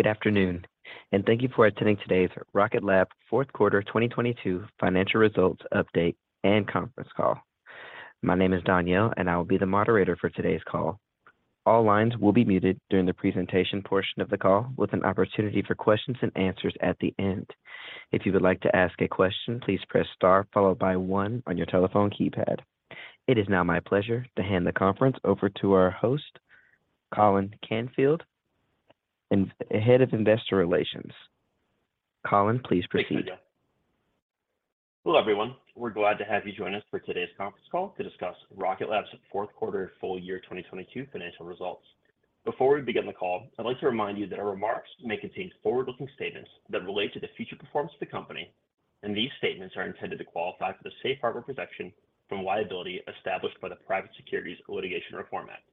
Good afternoon, thank you for attending today's Rocket Lab Fourth Quarter 2022 Financial Results Update and Conference Call. My name is Danielle, I will be the moderator for today's call. All lines will be muted during the presentation portion of the call with an opportunity for questions and answers at the end. If you would like to ask a question, please press star followed by one on your telephone keypad. It is now my pleasure to hand the conference over to our host, Colin Canfield, Head of Investor Relations. Colin, please proceed. Thanks, Danielle. Hello, everyone. We're glad to have you join us for today's conference call to discuss Rocket Lab's fourth quarter full year 2022 financial results. Before we begin the call, I'd like to remind you that our remarks may contain forward-looking statements that relate to the future performance of the company, and these statements are intended to qualify for the safe harbor protection from liability established by the Private Securities Litigation Reform Act.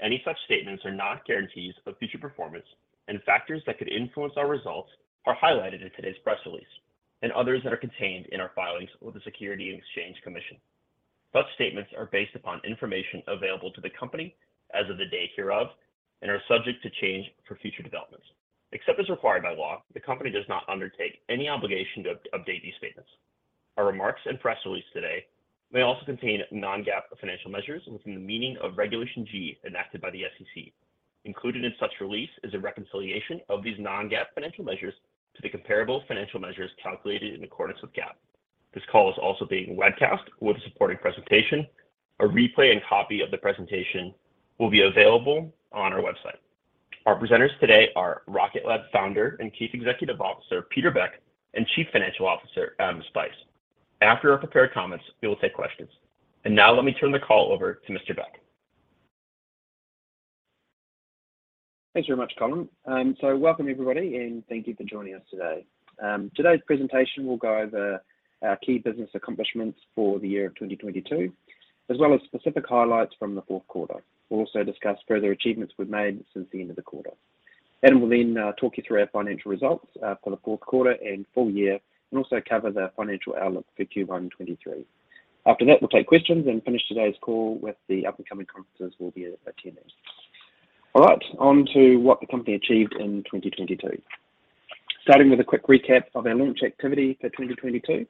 Any such statements are not guarantees of future performance, and factors that could influence our results are highlighted in today's press release and others that are contained in our filings with the Securities and Exchange Commission. Such statements are based upon information available to the company as of the date hereof and are subject to change per future developments. Except as required by law, the company does not undertake any obligation to update these statements. Our remarks and press release today may also contain non-GAAP financial measures within the meaning of Regulation G enacted by the SEC. Included in such release is a reconciliation of these non-GAAP financial measures to the comparable financial measures calculated in accordance with GAAP. This call is also being webcast with a supporting presentation. A replay and copy of the presentation will be available on our website. Our presenters today are Rocket Lab Founder and Chief Executive Officer, Peter Beck, and Chief Financial Officer, Adam Spice. After our prepared comments, we will take questions. Now let me turn the call over to Mr. Beck. Thanks very much, Colin. Welcome, everybody, and thank you for joining us today. Today's presentation, we'll go over our key business accomplishments for the year 2022, as well as specific highlights from the fourth quarter. We'll also discuss further achievements we've made since the end of the quarter. Adam will then talk you through our financial results for the fourth quarter and full year, and also cover the financial outlook for Q1 2023. After that, we'll take questions and finish today's call with the up-and-coming conferences we'll be attending. All right, on to what the company achieved in 2022. Starting with a quick recap of our launch activity for 2022,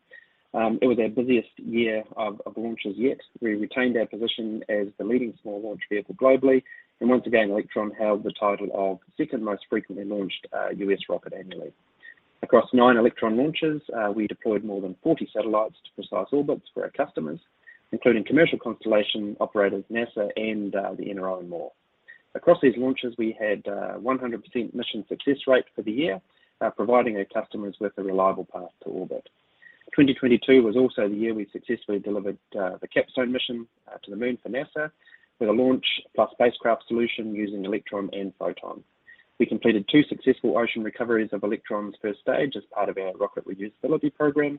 it was our busiest year of launches yet. We retained our position as the leading small launch vehicle globally, and once again, Electron held the title of second most frequently launched U.S. rocket annually. Across 9 Electron launches, we deployed more than 40 satellites to precise orbits for our customers, including commercial constellation operators, NASA, and the NRO, and more. Across these launches, we had a 100% mission success rate for the year, providing our customers with a reliable path to orbit. 2022 was also the year we successfully delivered the CAPSTONE mission to the Moon for NASA with a launch plus spacecraft solution using Electron and Photon. We completed 2 successful ocean recoveries of Electron's first stage as part of our rocket reusability program.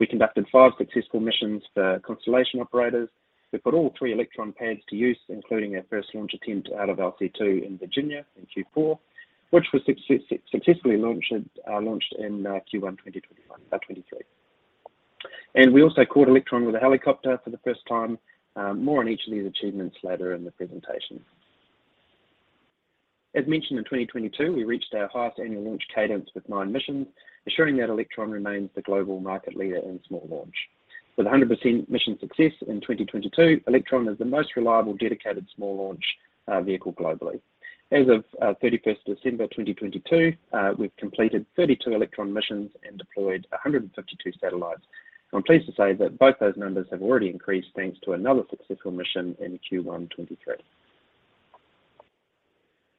We conducted five successful missions for constellation operators. We put all 3 Electron pads to use, including our first launch attempt out of LC-2 in Virginia in Q4, which was successfully launched in Q1 2023. We also caught Electron with a helicopter for the first time. More on each of these achievements later in the presentation. As mentioned, in 2022, we reached our highest annual launch cadence with 9 missions, ensuring that Electron remains the global market leader in small launch. With 100% mission success in 2022, Electron is the most reliable dedicated small launch vehicle globally. As of 31st of December 2022, we've completed 32 Electron missions and deployed 152 satellites. I'm pleased to say that both those numbers have already increased thanks to another successful mission in Q1 2023.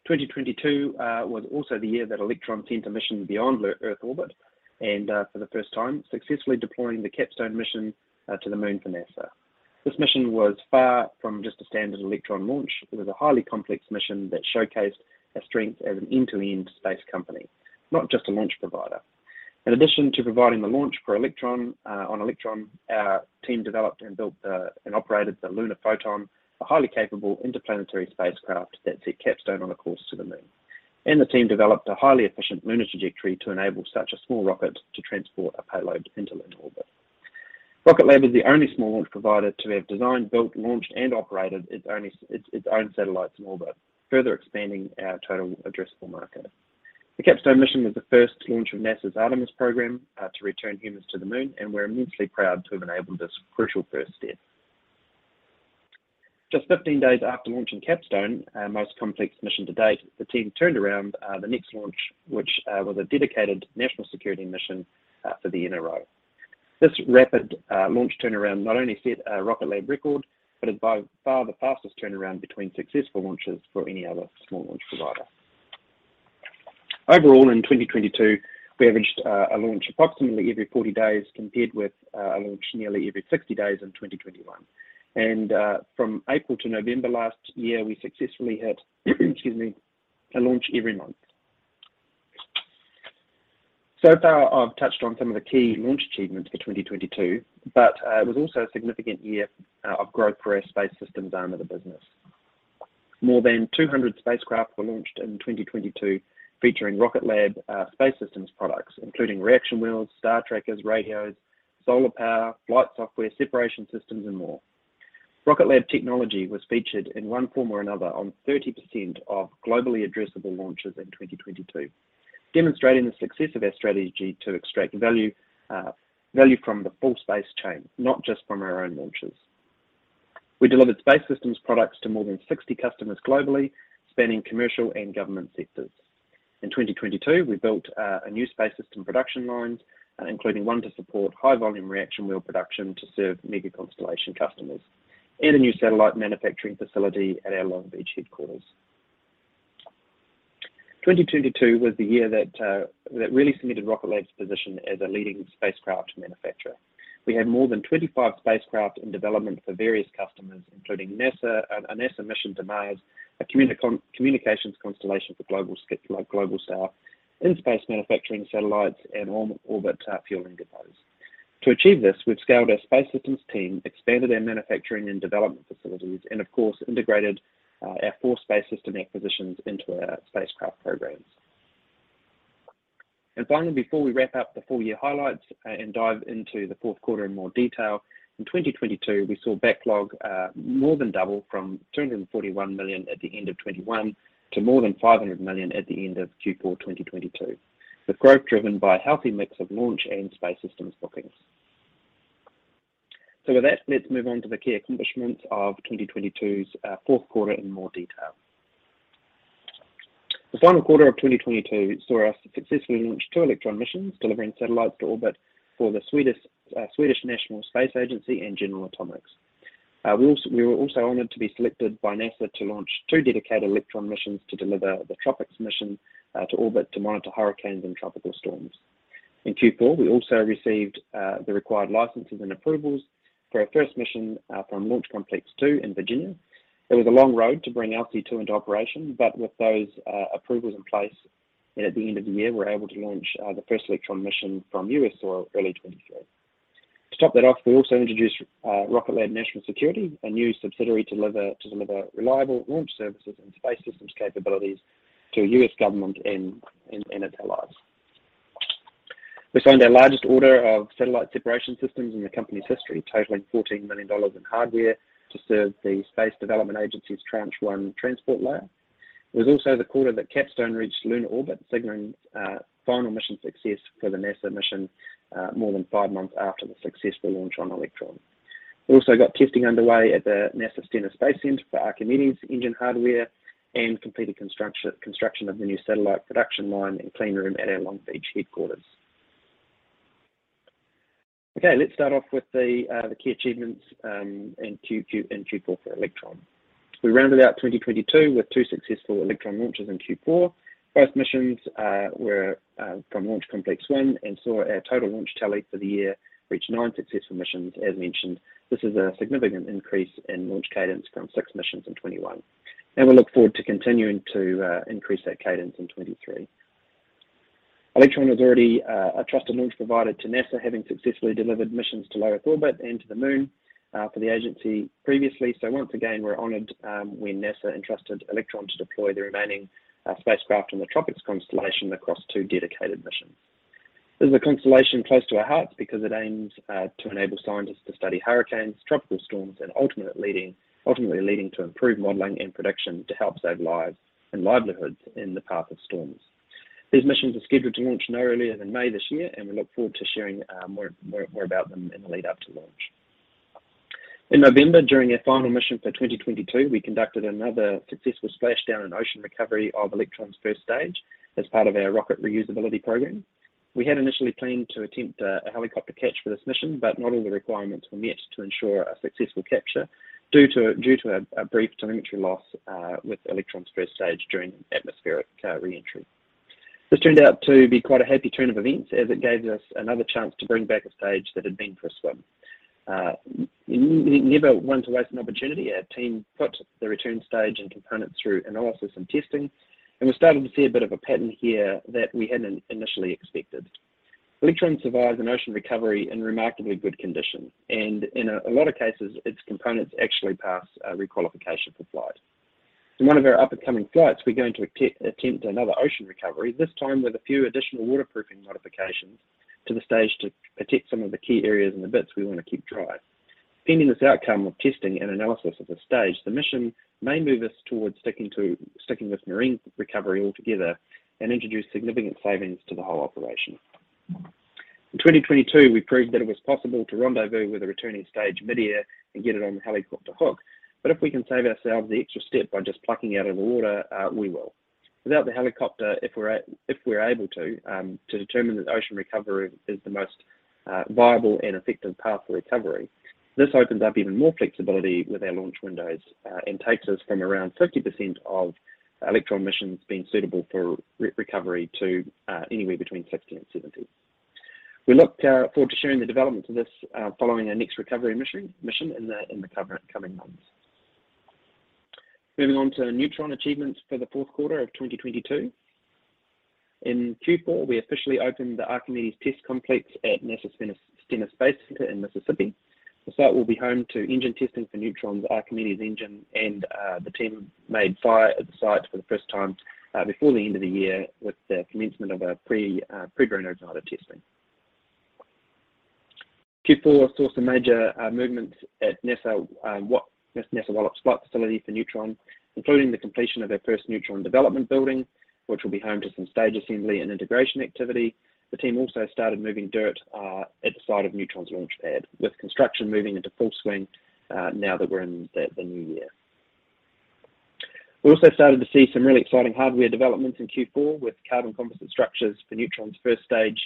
2022 was also the year that Electron sent a mission beyond the Earth orbit, for the first time, successfully deploying the CAPSTONE mission to the Moon for NASA. This mission was far from just a standard Electron launch. It was a highly complex mission that showcased our strength as an end-to-end space company, not just a launch provider. In addition to providing the launch on Electron, our team developed and built and operated the Lunar Photon, a highly capable interplanetary spacecraft that set CAPSTONE on a course to the Moon. The team developed a highly efficient lunar trajectory to enable such a small rocket to transport a payload into lunar orbit. Rocket Lab is the only small launch provider to have designed, built, launched, and operated its own satellites in orbit, further expanding our total addressable market. The CAPSTONE mission was the first launch of NASA's Artemis program, to return humans to the moon, and we're immensely proud to have enabled this crucial first step. Just 15 days after launching CAPSTONE, our most complex mission to date, the team turned around, the next launch, which, was a dedicated national security mission, for the NRO. This rapid, launch turnaround not only set a Rocket Lab record, but is by far the fastest turnaround between successful launches for any other small launch provider. Overall, in 2022, we averaged a launch approximately every 40 days, compared with, a launch nearly every 60 days in 2021. From April to November last year, we successfully had, excuse me, a launch every month. So far, I've touched on some of the key launch achievements for 2022, but it was also a significant year of growth for our Space Systems arm of the business. More than 200 spacecraft were launched in 2022 featuring Rocket Lab, Space Systems products, including reaction wheels, star trackers, radios, solar power, flight software, separation systems, and more. Rocket Lab technology was featured in one form or another on 30% of globally addressable launches in 2022, demonstrating the success of our strategy to extract value from the full space chain, not just from our own launches. We delivered space systems products to more than 60 customers globally, spanning commercial and government sectors. In 2022, we built a new space system production lines, including one to support high volume reaction wheel production to serve mega constellation customers and a new satellite manufacturing facility at our Long Beach headquarters. 2022 was the year that really cemented Rocket Lab's position as a leading spacecraft manufacturer. We have more than 25 spacecraft in development for various customers, including NASA, a NASA mission to Mars, a communications constellation for like Globalstar, in-space manufacturing satellites and orbit fueling depots. To achieve this, we've scaled our space systems team, expanded our manufacturing and development facilities, and of course, integrated our 4 space system acquisitions into our spacecraft programs. Finally, before we wrap up the full year highlights and dive into the fourth quarter in more detail, in 2022, we saw backlog more than double from $241 million at the end of 2021 to more than $500 million at the end of Q4 2022, with growth driven by a healthy mix of launch and space systems bookings. With that, let's move on to the key accomplishments of 2022's fourth quarter in more detail. The final quarter of 2022 saw us successfully launch two Electron missions, delivering satellites to orbit for the Swedish National Space Agency and General Atomics. We were also honored to be selected by NASA to launch two dedicated Electron missions to deliver the TROPICS mission to orbit to monitor hurricanes and tropical storms. In Q4, we also received the required licenses and approvals for our first mission from Launch Complex Two in Virginia. It was a long road to bring LC2 into operation, but with those approvals in place at the end of the year, we're able to launch the first Electron mission from U.S. soil early 2023. To top that off, we also introduced Rocket Lab National Security, a new subsidiary to deliver reliable launch services and space systems capabilities to U.S. government and its allies. We signed our largest order of satellite separation systems in the company's history, totaling $14 million in hardware to serve the Space Development Agency's Tranche 1 Transport Layer. It was also the quarter that CAPSTONE reached lunar orbit, signaling final mission success for the NASA mission, more than 5 months after the successful launch on Electron. We also got testing underway at the NASA Stennis Space Center for Archimedes engine hardware and completed construction of the new satellite production line and clean room at our Long Beach headquarters. Let's start off with the key achievements in Q4 for Electron. We rounded out 2022 with 2 successful Electron launches in Q4. Both missions were from Launch Complex One and saw our total launch tally for the year reach 9 successful missions. As mentioned, this is a significant increase in launch cadence from 6 missions in 2021. We look forward to continuing to increase that cadence in 2023. Electron is already a trusted launch provider to NASA, having successfully delivered missions to low-Earth orbit and to the Moon for the agency previously. Once again, we were honored when NASA entrusted Electron to deploy the remaining spacecraft on the TROPICS constellation across two dedicated missions. This is a constellation close to our hearts because it aims to enable scientists to study hurricanes, tropical storms, and ultimately leading to improved modeling and prediction to help save lives and livelihoods in the path of storms. These missions are scheduled to launch no earlier than May this year, and we look forward to sharing more about them in the lead-up to launch. In November, during our final mission for 2022, we conducted another successful splashdown and ocean recovery of Electron's first stage as part of our rocket reusability program. Not all the requirements were met to ensure a successful capture due to a brief telemetry loss with Electron's first stage during atmospheric re-entry. This turned out to be quite a happy turn of events as it gave us another chance to bring back a stage that had been for a swim. Never one to waste an opportunity, our team put the return stage and components through analysis and testing. We're starting to see a bit of a pattern here that we hadn't initially expected. Electron survives an ocean recovery in remarkably good condition. In a lot of cases, its components actually pass re-qualification for flight. In one of our upcoming flights, we're going to attempt another ocean recovery, this time with a few additional waterproofing modifications to the stage to protect some of the key areas and the bits we want to keep dry. Pending this outcome of testing and analysis of the stage, the mission may move us towards sticking with marine recovery altogether and introduce significant savings to the whole operation. In 2022, we proved that it was possible to rendezvous with a returning stage midair and get it on the helicopter hook. If we can save ourselves the extra step by just plucking it out of the water, we will. Without the helicopter, if we're able to determine that ocean recovery is the most viable and effective path for recovery, this opens up even more flexibility with our launch windows and takes us from around 50% of Electron missions being suitable for re-recovery to anywhere between 60 and 70. We look forward to sharing the developments of this following our next recovery mission in the coming months. Moving on to Neutron achievements for the fourth quarter of 2022. In Q4, we officially opened the Archimedes test complex at NASA Stennis Space Center in Mississippi. The site will be home to engine testing for Neutron's Archimedes engine. The team made fire at the site for the first time before the end of the year with the commencement of pre-burn igniter testing. Q4 saw some major movements at NASA Wallops Flight Facility for Neutron, including the completion of their first Neutron development building, which will be home to some stage assembly and integration activity. The team also started moving dirt at the site of Neutron's launch pad, with construction moving into full swing now that we're in the new year. We also started to see some really exciting hardware developments in Q4 with carbon composite structures for Neutron's first stage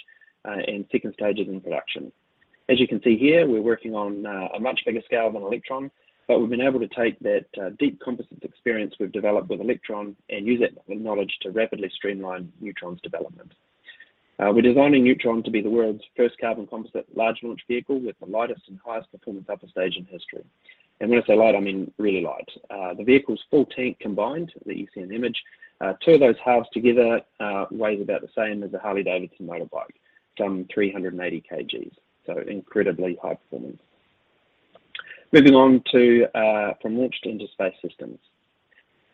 and second stages in production. As you can see here, we're working on a much bigger scale than Electron, but we've been able to take that deep composites experience we've developed with Electron and use that knowledge to rapidly streamline Neutron's development. We're designing Neutron to be the world's first carbon composite large launch vehicle with the lightest and highest performance upper stage in history. When I say light, I mean really light. The vehicle's full tank combined that you see in the image, two of those halves together, weighs about the same as a Harley-Davidson motorbike, some 380 kg. Incredibly high performance. Moving on to from launch into space systems.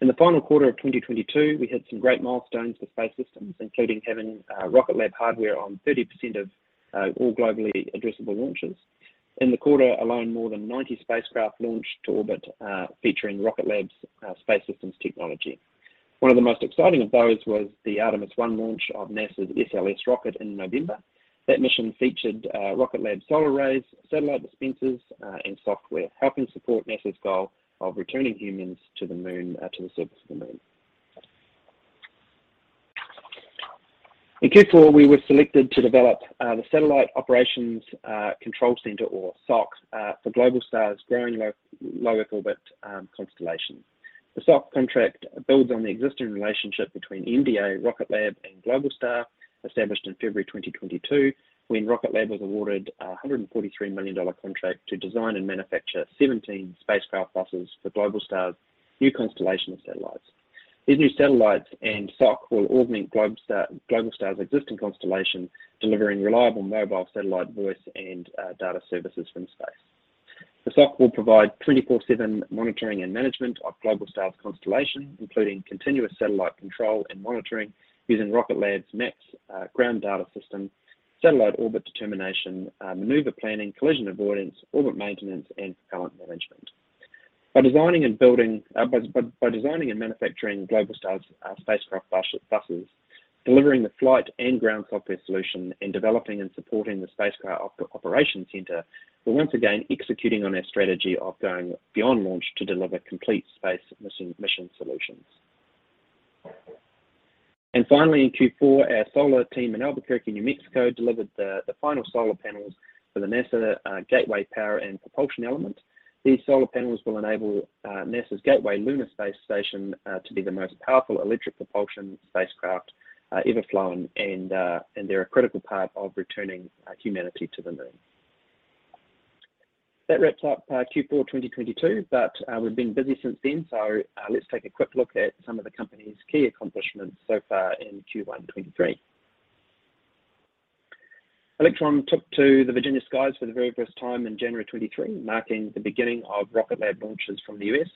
In the final quarter of 2022, we had some great milestones for space systems, including having Rocket Lab hardware on 30% of all globally addressable launches. In the quarter alone, more than 90 spacecraft launched to orbit, featuring Rocket Lab's space systems technology. One of the most exciting of those was the Artemis I launch of NASA's SLS rocket in November. That mission featured Rocket Lab solar arrays, satellite dispensers, and software, helping support NASA's goal of returning humans to the Moon, to the surface of the Moon. In Q4, we were selected to develop the Satellite Operations Control Center or SOCC for Globalstar's growing low Earth orbit constellation. The SOCC contract builds on the existing relationship between MDA, Rocket Lab, and Globalstar established in February 2022 when Rocket Lab was awarded a $143 million contract to design and manufacture 17 spacecraft buses for Globalstar's new constellation of satellites. These new satellites and SOCC will augment Globalstar's existing constellation, delivering reliable mobile satellite voice and data services from space. The SOCC will provide 24/7 monitoring and management of Globalstar's constellation, including continuous satellite control and monitoring using Rocket Lab's MELPS ground data system, satellite orbit determination, maneuver planning, collision avoidance, orbit maintenance, and propellant management. By designing and manufacturing Globalstar's spacecraft buses, delivering the flight and ground software solution, and developing and supporting the Spacecraft Operations Center, we're once again executing on our strategy of going beyond launch to deliver complete space mission solutions. Finally, in Q4, our solar team in Albuquerque, New Mexico, delivered the final solar panels for the NASA Gateway Power and Propulsion Element. These solar panels will enable NASA's Gateway Lunar Space Station to be the most powerful electric propulsion spacecraft ever flown, and they're a critical part of returning humanity to the Moon. That wraps up Q4 2022, but we've been busy since then. Let's take a quick look at some of the company's key accomplishments so far in Q1 2023. Electron took to the Virginia skies for the very first time in January 2023, marking the beginning of Rocket Lab launches from the U.S.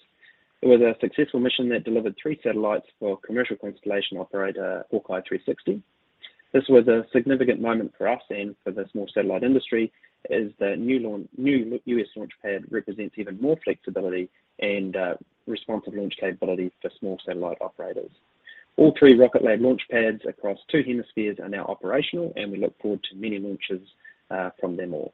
It was a successful mission that delivered three satellites for commercial constellation operator, HawkEye 360. This was a significant moment for us and for the small satellite industry as the new U.S. launch pad represents even more flexibility and responsive launch capabilities for small satellite operators. All three Rocket Lab launch pads across two hemispheres are now operational. We look forward to many launches from them all.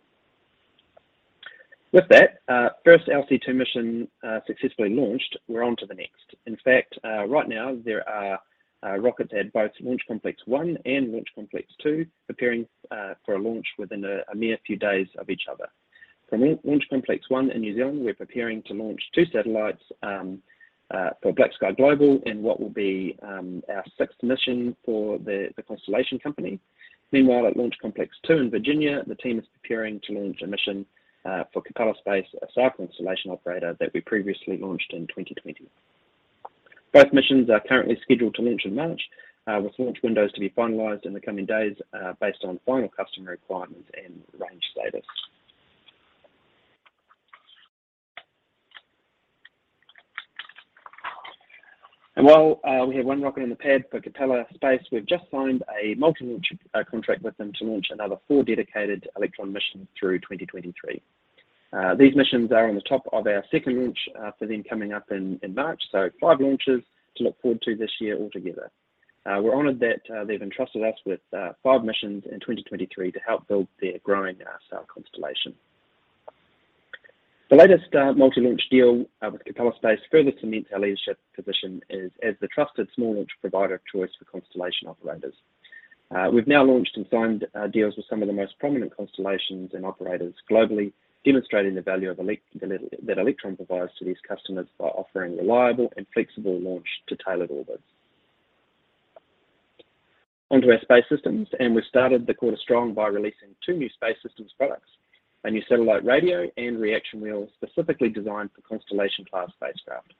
With that first LC-2 mission successfully launched, we're onto the next. In fact, right now, there are rockets at both Launch Complex 1 and Launch Complex 2 preparing for a launch within a mere few days of each other. From Launch Complex 1 in New Zealand, we're preparing to launch two satellites for BlackSky Global in what will be our sixth mission for the constellation company. At Launch Complex 2 in Virginia, the team is preparing to launch a mission for Capella Space, a cycle installation operator that we previously launched in 2020. Both missions are currently scheduled to launch in March, with launch windows to be finalized in the coming days, based on final customer requirements and range status. While we have 1 rocket in the pad for Capella Space, we've just signed a multi-launch contract with them to launch another 4 dedicated Electron missions through 2023. These missions are on the top of our second launch for them coming up in March, so 5 launches to look forward to this year altogether. We're honored that they've entrusted us with 5 missions in 2023 to help build their growing cell constellation. The latest multi-launch deal with Capella Space further cements our leadership position as the trusted small launch provider of choice for constellation operators. We've now launched and signed deals with some of the most prominent constellations and operators globally, demonstrating the value of that Electron provides to these customers by offering reliable and flexible launch to tailored orbits. Onto our space systems, we started the quarter strong by releasing two new space systems products, a new satellite radio and reaction wheel specifically designed for constellation-class spacecraft.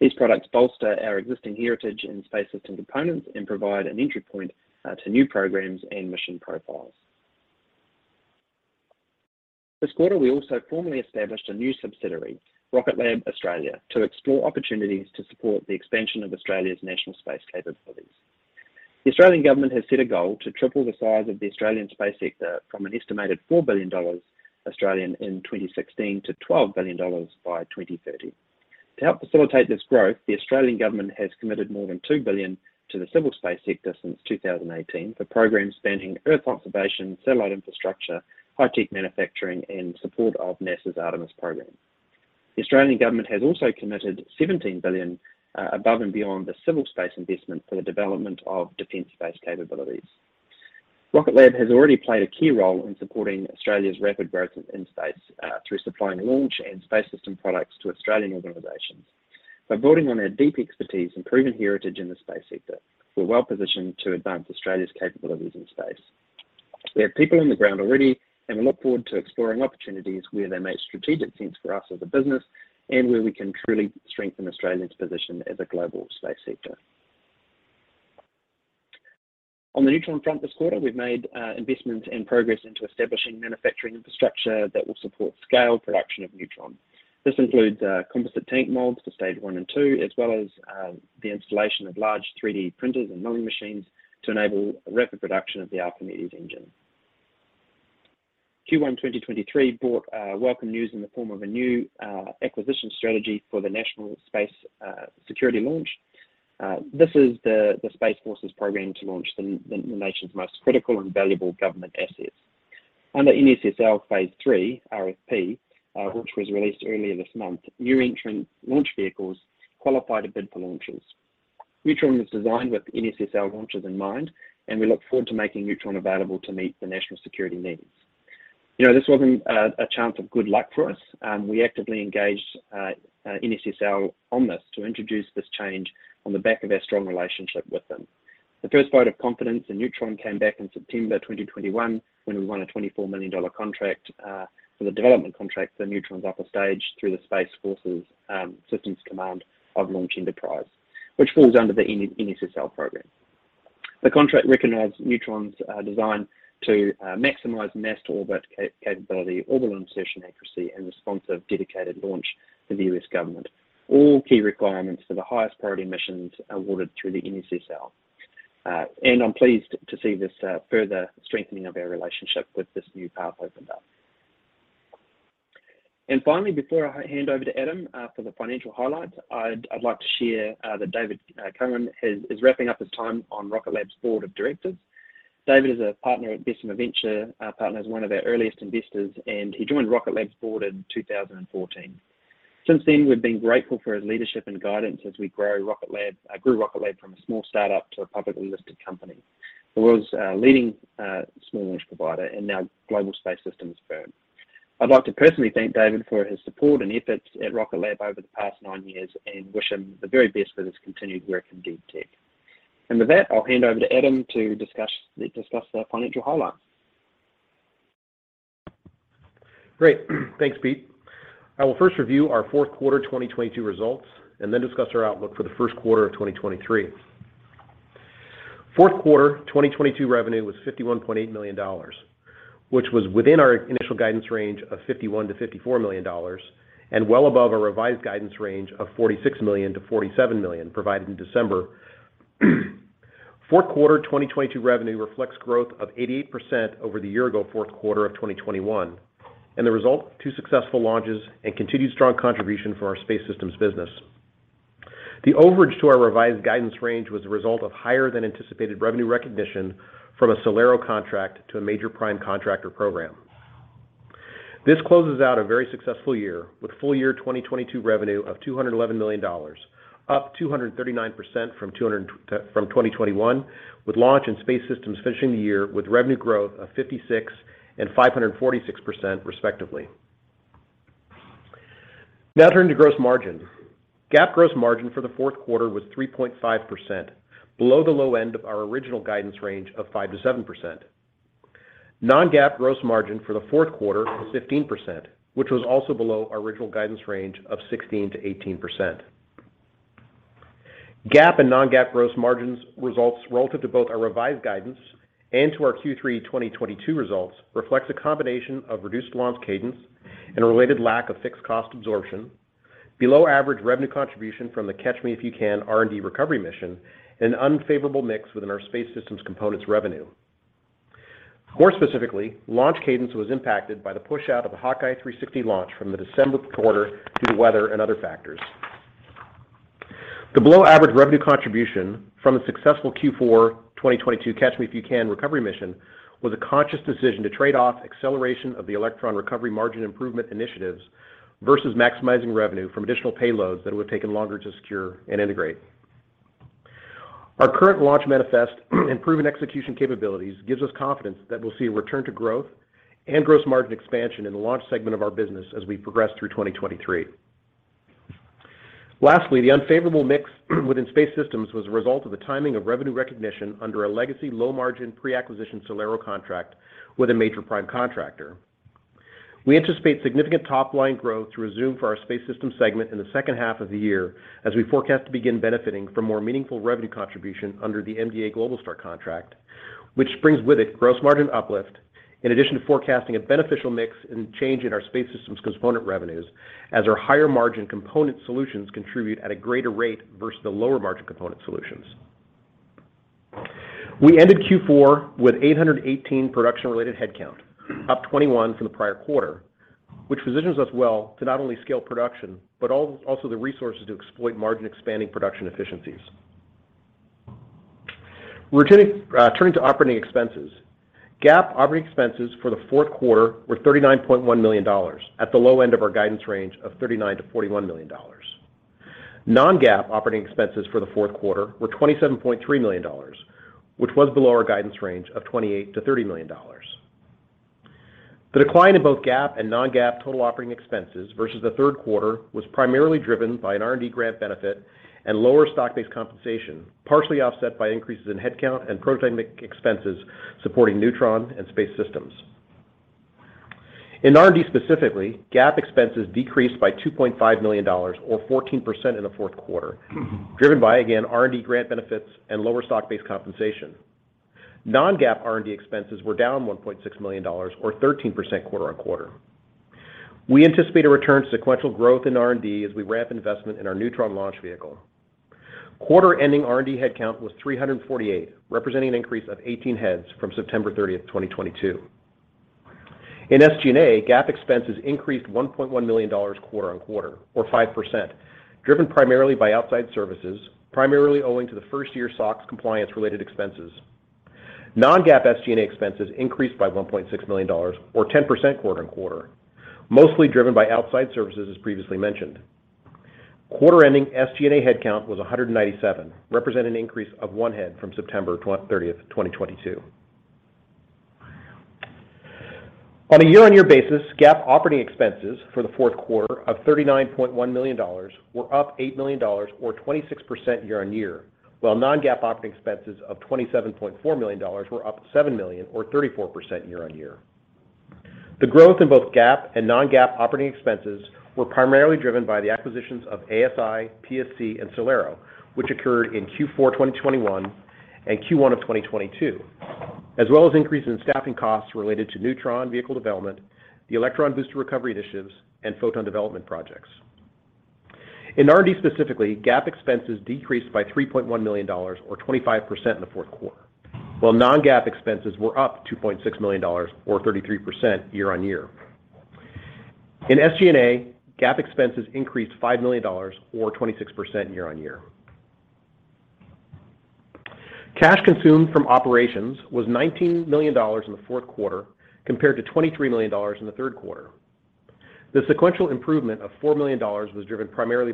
These products bolster our existing heritage in space system components and provide an entry point to new programs and mission profiles. This quarter, we also formally established a new subsidiary, Rocket Lab Australia, to explore opportunities to support the expansion of Australia's national space capabilities. The Australian government has set a goal to triple the size of the Australian space sector from an estimated 4 billion Australian dollars in 2016 to 12 billion dollars by 2030. To help facilitate this growth, the Australian government has committed more than $2 billion to the civil space sector since 2018 for programs spanning Earth observation, satellite infrastructure, high-tech manufacturing, and support of NASA's Artemis program. The Australian government has also committed $17 billion above and beyond the civil space investment for the development of defense-based capabilities. Rocket Lab has already played a key role in supporting Australia's rapid growth in space through supplying launch and space system products to Australian organizations. By building on our deep expertise and proven heritage in the space sector, we're well-positioned to advance Australia's capabilities in space. We have people on the ground already, and we look forward to exploring opportunities where they make strategic sense for us as a business and where we can truly strengthen Australia's position as a global space sector. On the Neutron front this quarter, we've made investments and progress into establishing manufacturing infrastructure that will support scale production of Neutron. This includes composite tank molds for stage 1 and 2, as well as the installation of large 3D printers and milling machines to enable rapid production of the Archimedes engine. Q1 2023 brought welcome news in the form of a new acquisition strategy for the National Security Space Launch. This is the Space Force program to launch the nation's most critical and valuable government assets. Under NSSL phase III RFP, which was released earlier this month, new entrant launch vehicles qualified to bid for launches. Neutron was designed with NSSL launches in mind, and we look forward to making Neutron available to meet the national security needs. You know, this wasn't a chance of good luck for us. We actively engaged NSSL on this to introduce this change on the back of our strong relationship with them. The first vote of confidence in Neutron came back in September 2021, when we won a $24 million contract for the development contract for Neutron's upper stage through the Space Force's Systems Command of Launch Enterprise, which falls under the NSSL program. The contract recognized Neutron's design to maximize mass to orbit capability, orbital insertion accuracy, and responsive, dedicated launch for the U.S. government, all key requirements for the highest priority missions awarded through the NSSL. I'm pleased to see this further strengthening of our relationship with this new path opened up. Finally, before I hand over to Adam, for the financial highlights, I'd like to share that David Cowan is wrapping up his time on Rocket Lab's board of directors. David is a partner at Bessemer Venture Partners, one of our earliest investors, and he joined Rocket Lab's board in 2014. Since then, we've been grateful for his leadership and guidance as we grew Rocket Lab from a small startup to a publicly listed company. The world's leading small launch provider and now global space systems firm. I'd like to personally thank David for his support and efforts at Rocket Lab over the past nine years and wish him the very best for his continued work in deep tech. With that, I'll hand over to Adam to discuss the financial highlights. Great. Thanks, Pete. I will first review our fourth quarter 2022 results and then discuss our outlook for the first quarter of 2023. Fourth quarter, 2022 revenue was $51.8 million, which was within our initial guidance range of $51 million-$54 million and well above our revised guidance range of $46 million-$47 million, provided in December. Fourth quarter, 2022 revenue reflects growth of 88% over the year ago fourth quarter of 2021, and the result of two successful launches and continued strong contribution from our space systems business. The overage to our revised guidance range was a result of higher than anticipated revenue recognition from a SolAero contract to a major prime contractor program. This closes out a very successful year with full year 2022 revenue of $211 million, up 239% from 2021, with launch and space systems finishing the year with revenue growth of 56% and 546% respectively. Turning to gross margin. GAAP gross margin for the fourth quarter was 3.5%, below the low end of our original guidance range of 5%-7%. Non-GAAP gross margin for the fourth quarter was 15%, which was also below our original guidance range of 16%-18%. GAAP and non-GAAP gross margins results relative to both our revised guidance and to our Q3 2022 results reflects a combination of reduced launch cadence and a related lack of fixed cost absorption, below average revenue contribution from the Catch Me If You Can R&D recovery mission, and an unfavorable mix within our space systems components revenue. More specifically, launch cadence was impacted by the push out of the HawkEye 360 launch from the December quarter due to weather and other factors. The below-average revenue contribution from the successful Q4 2022 Catch Me If You Can recovery mission was a conscious decision to trade off acceleration of the Electron recovery margin improvement initiatives versus maximizing revenue from additional payloads that would've taken longer to secure and integrate. Our current launch manifest and proven execution capabilities gives us confidence that we'll see a return to growth and gross margin expansion in the launch segment of our business as we progress through 2023. Lastly, the unfavorable mix within space systems was a result of the timing of revenue recognition under a legacy low-margin pre-acquisition SolAero contract with a major prime contractor. We anticipate significant top-line growth to resume for our space system segment in the second half of the year as we forecast to begin benefiting from more meaningful revenue contribution under the MDA Globalstar contract, which brings with it gross margin uplift. In addition to forecasting a beneficial mix and change in our space systems component revenues as our higher margin component solutions contribute at a greater rate versus the lower margin component solutions. We ended Q4 with 818 production-related headcount, up 21 from the prior quarter, which positions us well to not only scale production, but also the resources to exploit margin-expanding production efficiencies. We're turning to operating expenses. GAAP operating expenses for the fourth quarter were $39.1 million at the low end of our guidance range of $39 million-$41 million. non-GAAP operating expenses for the fourth quarter were $27.3 million, which was below our guidance range of $28 million-$30 million. The decline in both GAAP and non-GAAP total operating expenses versus the third quarter was primarily driven by an R&D grant benefit and lower stock-based compensation, partially offset by increases in headcount and prototyping expenses supporting Neutron and space systems. In R&D specifically, GAAP expenses decreased by $2.5 million or 14% in the fourth quarter, driven by, again, R&D grant benefits and lower stock-based compensation. Non-GAAP R&D expenses were down $1.6 million or 13% quarter-on-quarter. We anticipate a return to sequential growth in R&D as we ramp investment in our Neutron launch vehicle. Quarter-ending R&D headcount was 348, representing an increase of 18 heads from September 30, 2022. In SG&A, GAAP expenses increased $1.1 million quarter-on-quarter or 5%, driven primarily by outside services, primarily owing to the first year SOX compliance-related expenses. Non-GAAP SG&A expenses increased by $1.6 million or 10% quarter-on-quarter, mostly driven by outside services, as previously mentioned. Quarter-ending SG&A headcount was 197, represent an increase of 1 head from September 30th, 2022. On a year-on-year basis, GAAP operating expenses for the fourth quarter of $39.1 million were up $8 million or 26% year-on-year, while non-GAAP operating expenses of $27.4 million were up $7 million or 34% year-on-year. The growth in both GAAP and non-GAAP operating expenses were primarily driven by the acquisitions of ASI, PSC, and SolAero, which occurred in Q4 2021 and Q1 of 2022, as well as increase in staffing costs related to Neutron vehicle development, the Electron booster recovery initiatives, and Photon development projects. In R&D specifically, GAAP expenses decreased by $3.1 million or 25% in the fourth quarter, while non-GAAP expenses were up $2.6 million or 33% year-over-year. In SG&A, GAAP expenses increased $5 million or 26% year-over-year. Cash consumed from operations was $19 million in the fourth quarter compared to $23 million in the third quarter. The sequential improvement of $4 million was driven primarily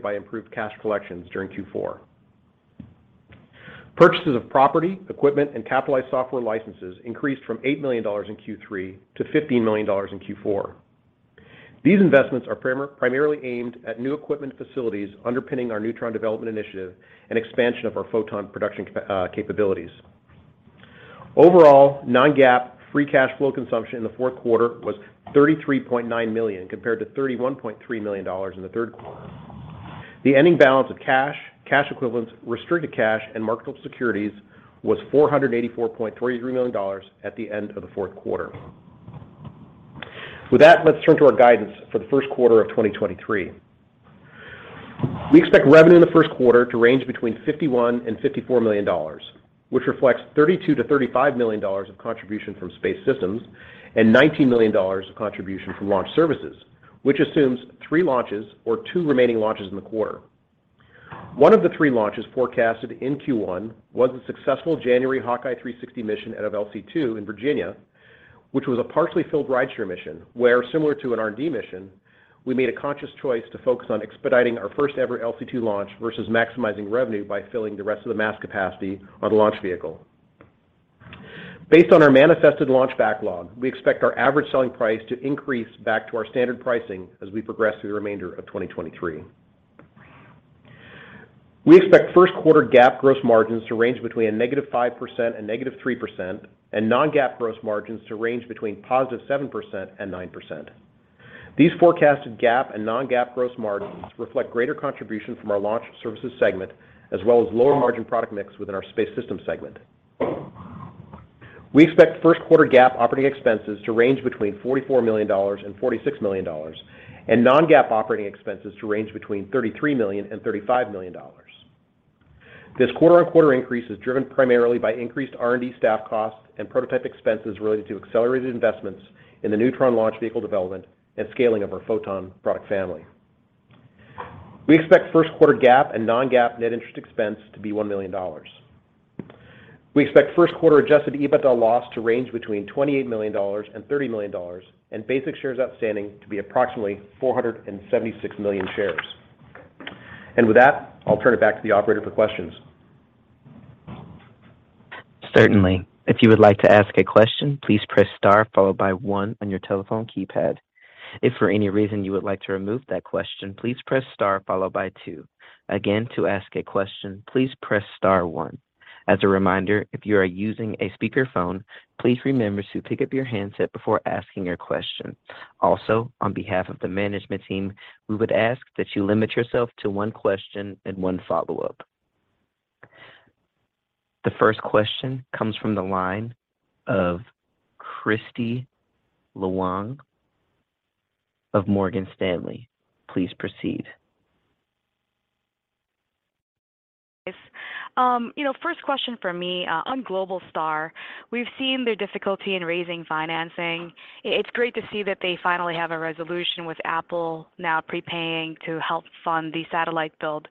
aimed at new equipment facilities underpinning our Neutron development initiative and expansion of our Photon production capabilities. Overall, non-GAAP free cash flow consumption in the fourth quarter was $33.9 million compared to $31.3 million in the third quarter. The ending balance of cash equivalents, restricted cash, and marketable securities was $484.3 million at the end of the fourth quarter. Let's turn to our guidance for the first quarter of 2023. We expect revenue in the first quarter to range between $51 million and $54 million, which reflects $32 million-$35 million of contribution from space systems and $19 million of contribution from launch services, which assumes 3 launches or 2 remaining launches in the quarter. 1 of the 3 launches forecasted in Q1 was a successful January HawkEye 360 mission out of LC two in Virginia, which was a partially filled rideshare mission, where similar to an R&D mission, we made a conscious choice to focus on expediting our first-ever LC two launch versus maximizing revenue by filling the rest of the mass capacity on the launch vehicle. Based on our manifested launch backlog, we expect our average selling price to increase back to our standard pricing as we progress through the remainder of 2023. We expect first quarter GAAP gross margins to range between a negative 5% and negative 3% and non-GAAP gross margins to range between positive 7% and 9%. These forecasted GAAP and non-GAAP gross margins reflect greater contribution from our launch services segment, as well as lower margin product mix within our Space Systems segment. We expect first quarter GAAP operating expenses to range between $44 million and $46 million and non-GAAP operating expenses to range between $33 million and $35 million. This quarter-on-quarter increase is driven primarily by increased R&D staff costs and prototype expenses related to accelerated investments in the Neutron launch vehicle development and scaling of our Photon product family. We expect first quarter GAAP and non-GAAP net interest expense to be $1 million. We expect first quarter adjusted EBITDA loss to range between 28 million and 30 million and basic shares outstanding to be approximately 476 million shares. With that, I'll turn it back to the operator for questions. Certainly. If you would like to ask a question, please press star followed by one on your telephone keypad. If for any reason you would like to remove that question, please press star followed by two. Again, to ask a question, please press star one. As a reminder, if you are using a speakerphone, please remember to pick up your handset before asking your question. On behalf of the management team, we would ask that you limit yourself to one question and one follow-up. The first question comes from the line of Kristy Liwag of Morgan Stanley. Please proceed. Yes. You know, first question for me, on Globalstar. We've seen the difficulty in raising financing. It's great to see that they finally have a resolution with Apple now prepaying to help fund the satellite build.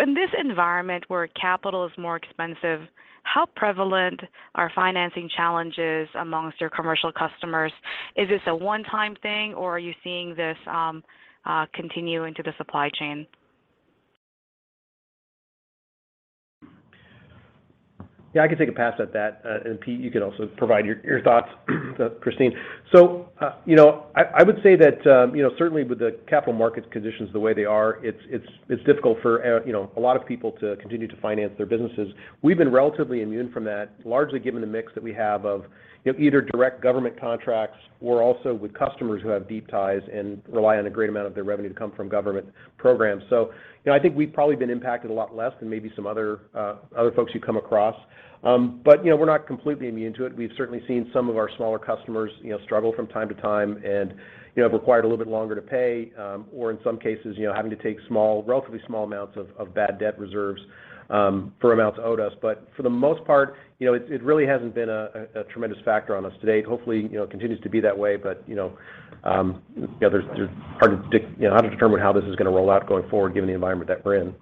In this environment where capital is more expensive, how prevalent are financing challenges amongst your commercial customers? Is this a one-time thing, or are you seeing this continue into the supply chain? Yeah, I can take a pass at that. Pete, you could also provide your thoughts, Christine. You know, I would say that, you know, certainly with the capital market conditions the way they are, it's difficult for, you know, a lot of people to continue to finance their businesses. We've been relatively immune from that, largely given the mix that we have of, you know, either direct government contracts or also with customers who have deep ties and rely on a great amount of their revenue to come from government programs. You know, I think we've probably been impacted a lot less than maybe some other folks you come across. You know, we're not completely immune to it. We've certainly seen some of our smaller customers, you know, struggle from time to time and, you know, have required a little bit longer to pay, or in some cases, you know, having to take small, relatively small amounts of bad debt reserves, for amounts owed us. For the most part, you know, it really hasn't been a, a tremendous factor on us to date. Hopefully, you know, continues to be that way. You know, yeah, there's hard to determine how this is gonna roll out going forward given the environment that we're in.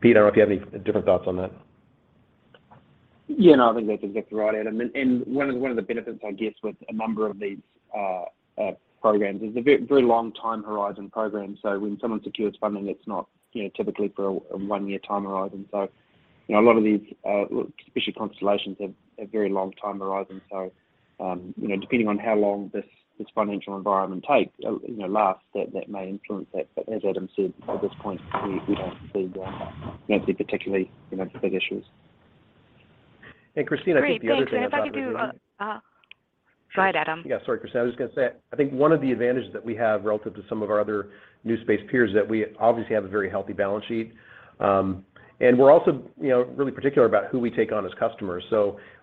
Pete, I don't know if you have any different thoughts on that. Yeah. No, I think that's exactly right, Adam. One of the benefits, I guess, with a number of these programs is they're very long time horizon programs. When someone secures funding, it's not, you know, typically for a 1-year time horizon. You know, a lot of these, especially constellations, have very long time horizon. You know, depending on how long this financial environment takes, you know, lasts, that may influence that. As Adam said, at this point, we don't see particularly, you know, big issues. Christine, I think the other thing I'd like to. Great. Thanks. If I could do... Go ahead, Adam. Sorry, Christine. I was gonna say, I think one of the advantages that we have relative to some of our other new space peers is that we obviously have a very healthy balance sheet. And we're also, you know, really particular about who we take on as customers.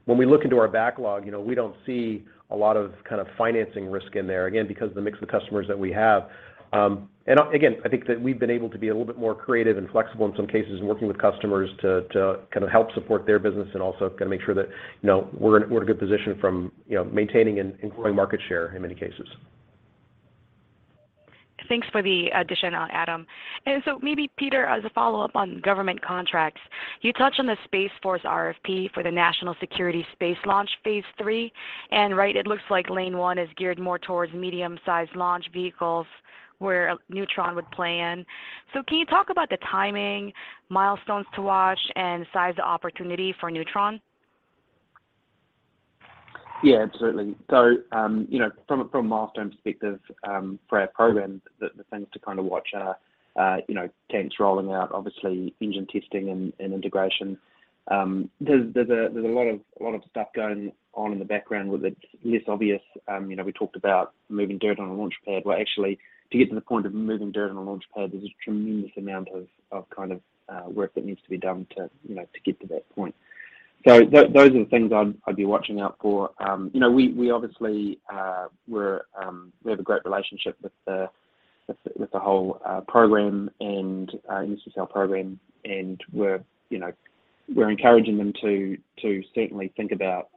When we look into our backlog, you know, we don't see a lot of kind of financing risk in there, again, because the mix of customers that we have. Again, I think that we've been able to be a little bit more creative and flexible in some cases in working with customers to kind of help support their business and also kinda make sure that, you know, we're in, we're in a good position from, you know, maintaining and growing market share in many cases. Thanks for the addition, Adam. Maybe Peter, as a follow-up on government contracts, you touched on the Space Force RFP for the National Security Space Launch phase III, and right, it looks like Lane 1 is geared more towards medium-sized launch vehicles where Neutron would play in. Can you talk about the timing, milestones to watch, and size the opportunity for Neutron? Yeah, absolutely. You know, from a, from a milestone perspective, for our program, the things to kind of watch are, you know, tanks rolling out, obviously engine testing and integration. There's a lot of stuff going on in the background where it's less obvious. You know, we talked about moving dirt on a launchpad, well, actually, to get to the point of moving dirt on a launchpad, there's a tremendous amount of kind of work that needs to be done to, you know, to get to that point. Those are the things I'd be watching out for. You know, we obviously, we're, we have a great relationship with the whole NSSL program. We're, you know, we're encouraging them to certainly think about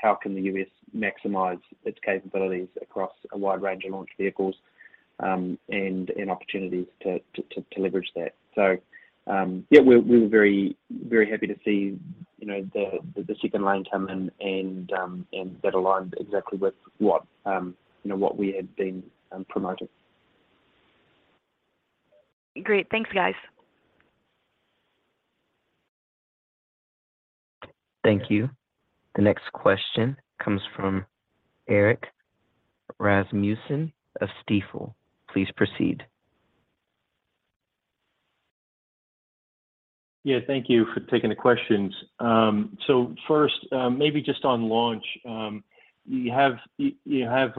how can the U.S. maximize its capabilities across a wide range of launch vehicles, and opportunities to leverage that. Yeah, we're very, very happy to see, you know, the second Lane come and that aligned exactly with what, you know, what we have been promoting. Great. Thanks, guys. Thank you. The next question comes from Erik Rasmussen of Stifel. Please proceed. Yeah. Thank you for taking the questions. First, maybe just on launch. You have, you have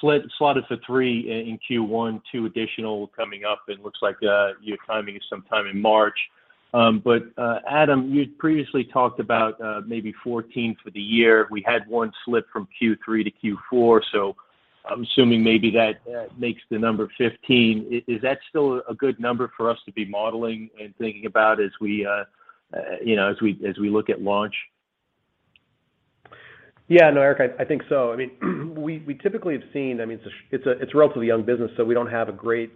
slotted for 3 in Q1, 2 additional coming up, and looks like your timing is sometime in March. Adam, you'd previously talked about maybe 14 for the year. We had 1 slip from Q3 to Q4, I'm assuming maybe that makes the number 15. Is that still a good number for us to be modeling and thinking about as we, you know, as we look at launch? Yeah. No, Eric, I think so. I mean, we typically have seen... I mean, it's a relatively young business, so we don't have a great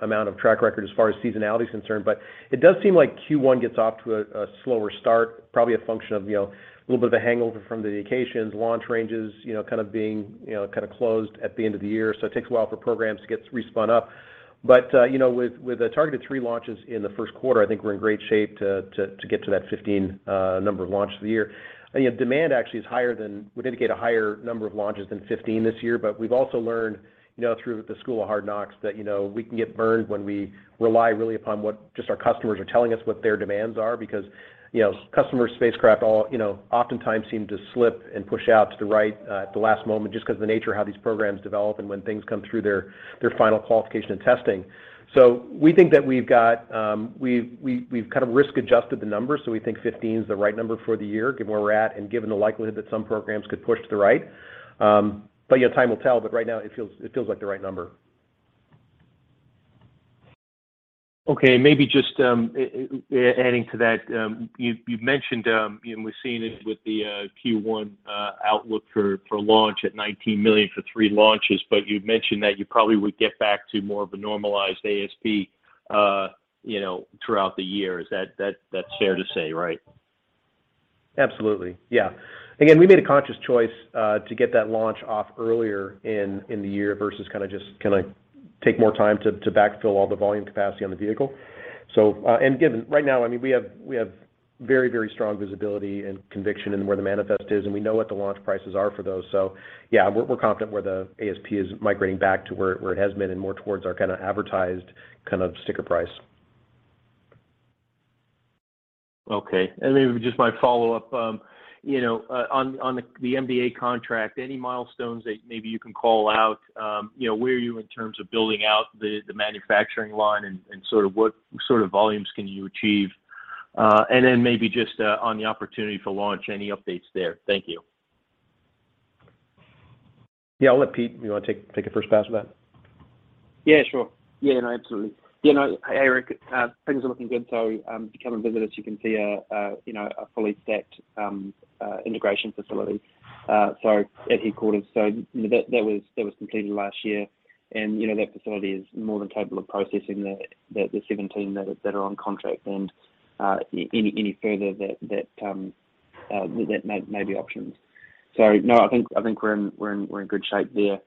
amount of track record as far as seasonality is concerned. It does seem like Q1 gets off to a slower start, probably a function of, you know, a little bit of a hangover from the vacations, launch ranges, you know, kind of being, kind of closed at the end of the year. It takes a while for programs to get re-spun up. You know, with a targeted three launches in the first quarter, I think we're in great shape to get to that 15 number of launches of the year. You know, demand actually is higher than... would indicate a higher number of launches than 15 this year. We've also learned, you know, through the school of hard knocks that, you know, we can get burned when we rely really upon what just our customers are telling us what their demands are. You know, customer spacecraft all, you know, oftentimes seem to slip and push out to right, at the last moment just because of the nature of how these programs develop and when things come through their final qualification and testing. We think that we've got, we've kind of risk-adjusted the numbers, so we think 15 is the right number for the year given where we're at and given the likelihood that some programs could push to the right. Yeah, time will tell, but right now it feels like the right number. Okay. Maybe just adding to that, you've mentioned, and we've seen it with the Q1 outlook for launch at $19 million for three launches. You've mentioned that you probably would get back to more of a normalized ASP, you know, throughout the year. Is that fair to say, right? Absolutely. Yeah. Again, we made a conscious choice to get that launch off earlier in the year versus kind of just take more time to backfill all the volume capacity on the vehicle. Given right now, I mean, we have very strong visibility and conviction in where the manifest is, and we know what the launch prices are for those. Yeah, we're confident where the ASP is migrating back to where it has been and more towards our kind of advertised sticker price. Okay. Maybe just my follow-up, you know, on the SDA contract, any milestones that maybe you can call out, you know, where are you in terms of building out the manufacturing line and sort of what sort of volumes can you achieve? Then maybe just on the opportunity for launch, any updates there? Thank you. Yeah. I'll let Pete... You wanna take a first pass with that? Yeah, sure. Yeah. No, absolutely. You know, hey, Eric, things are looking good. If you come and visit us, you can see a, you know, a fully stacked integration facility, so at headquarters. That was completed last year. You know, that facility is more than capable of processing the 17 that are on contract and any further that may be options. No, I think we're in good shape there.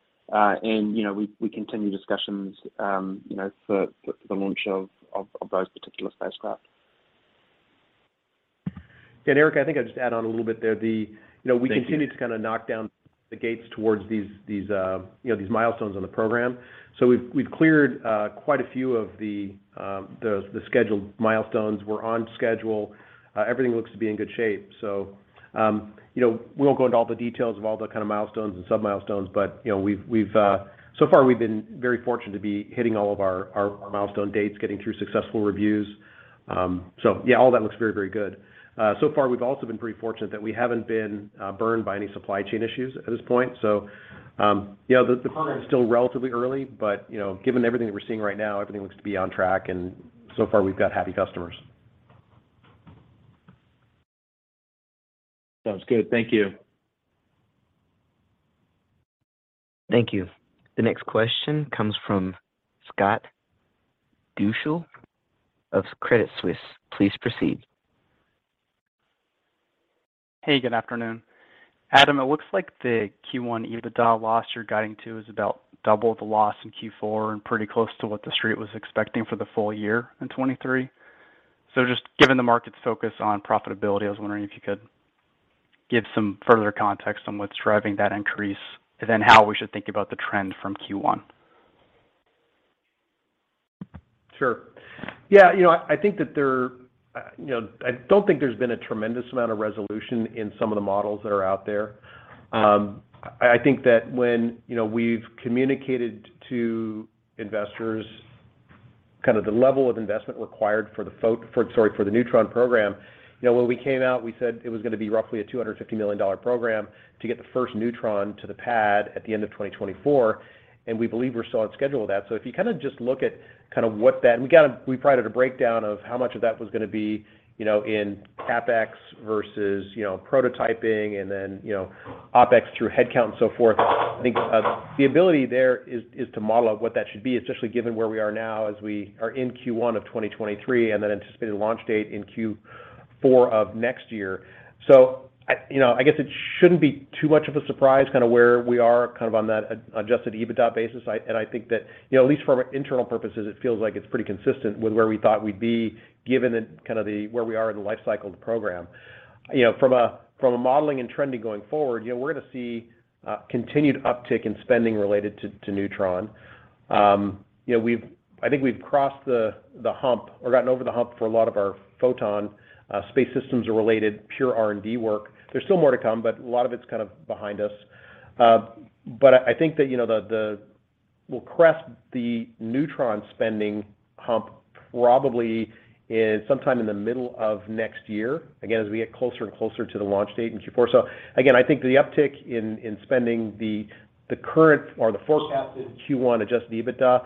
You know, we continue discussions, you know, for the launch of those particular spacecraft. Eric, I think I'll just add on a little bit there. Thank you. You know, we continue to kind of knock down the gates towards these, you know, these milestones on the program. We've cleared, quite a few of the scheduled milestones. We're on schedule. Everything looks to be in good shape. You know, we won't go into all the details of all the kind of milestones and sub-milestones, but, you know, we've. So far, we've been very fortunate to be hitting all of our milestone dates, getting through successful reviews. Yeah, all that looks very good. So far, we've also been pretty fortunate that we haven't been, burned by any supply chain issues at this point. Yeah, the program is still relatively early, but, you know, given everything that we're seeing right now, everything looks to be on track, and so far, we've got happy customers. Sounds good. Thank you. Thank you. The next question comes from Scott Deuschle of Credit Suisse. Please proceed. Hey, good afternoon. Adam, it looks like the Q1 EBITDA loss you're guiding to is about double the loss in Q4 and pretty close to what the street was expecting for the full year in 2023. Just given the market's focus on profitability, I was wondering if you could give some further context on what's driving that increase and then how we should think about the trend from Q1? Sure. Yeah. You know, I think that there. You know, I don't think there's been a tremendous amount of resolution in some of the models that are out there. I think that when, you know, we've communicated to investors kind of the level of investment required for the Neutron program. You know, when we came out, we said it was gonna be roughly a $250 million program to get the first Neutron to the pad at the end of 2024, and we believe we're still on schedule with that. If you kinda just look at kind of what that. We provided a breakdown of how much of that was gonna be, you know, in CapEx versus, you know, prototyping and then, you know, OpEx through headcount and so forth. I think the ability there is to model out what that should be, especially given where we are now as we are in Q1 of 2023 and then anticipated launch date in Q4 of next year. I, you know, I guess it shouldn't be too much of a surprise kind of where we are kind of on that adjusted EBITDA basis. I think that, you know, at least from an internal purposes, it feels like it's pretty consistent with where we thought we'd be given the kind of where we are in the life cycle of the program. You know, from a, from a modeling and trending going forward, you know, we're gonna see continued uptick in spending related to Neutron. You know, I think we've crossed the hump or gotten over the hump for a lot of our Photon space systems or related pure R&D work. There's still more to come, but a lot of it's kind of behind us. I think that, you know, we'll crest the Neutron spending hump probably in sometime in the middle of next year, again, as we get closer and closer to the launch date in Q4. Again, I think the uptick in spending the current or the forecasted Q1 adjusted EBITDA,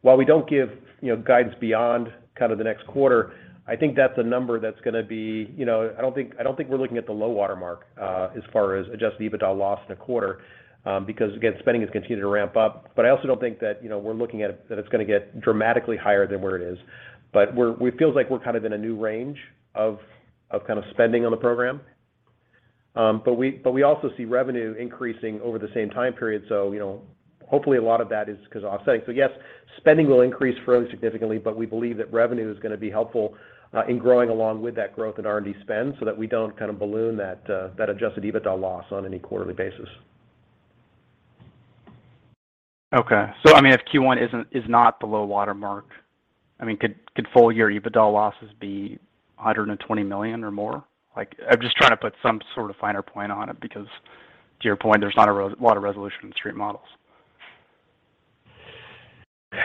while we don't give, you know, guidance beyond kind of the next quarter, I think that's a number that's gonna be... You know, I don't think, I don't think we're looking at the low water mark as far as adjusted EBITDA loss in a quarter, because again, spending has continued to ramp up. I also don't think that, you know, we're looking at it that it's gonna get dramatically higher than where it is. It feels like we're kind of in a new range of kind of spending on the program. We also see revenue increasing over the same time period. You know, hopefully, a lot of that is 'cause offsetting. Yes, spending will increase fairly significantly, but we believe that revenue is gonna be helpful in growing along with that growth in R&D spend so that we don't kind of balloon that adjusted EBITDA loss on any quarterly basis. I mean, if Q1 is not the low water mark, I mean, could full year EBITDA losses be $120 million or more? Like, I'm just trying to put some sort of finer point on it because to your point, there's not a lot of resolution in the street models.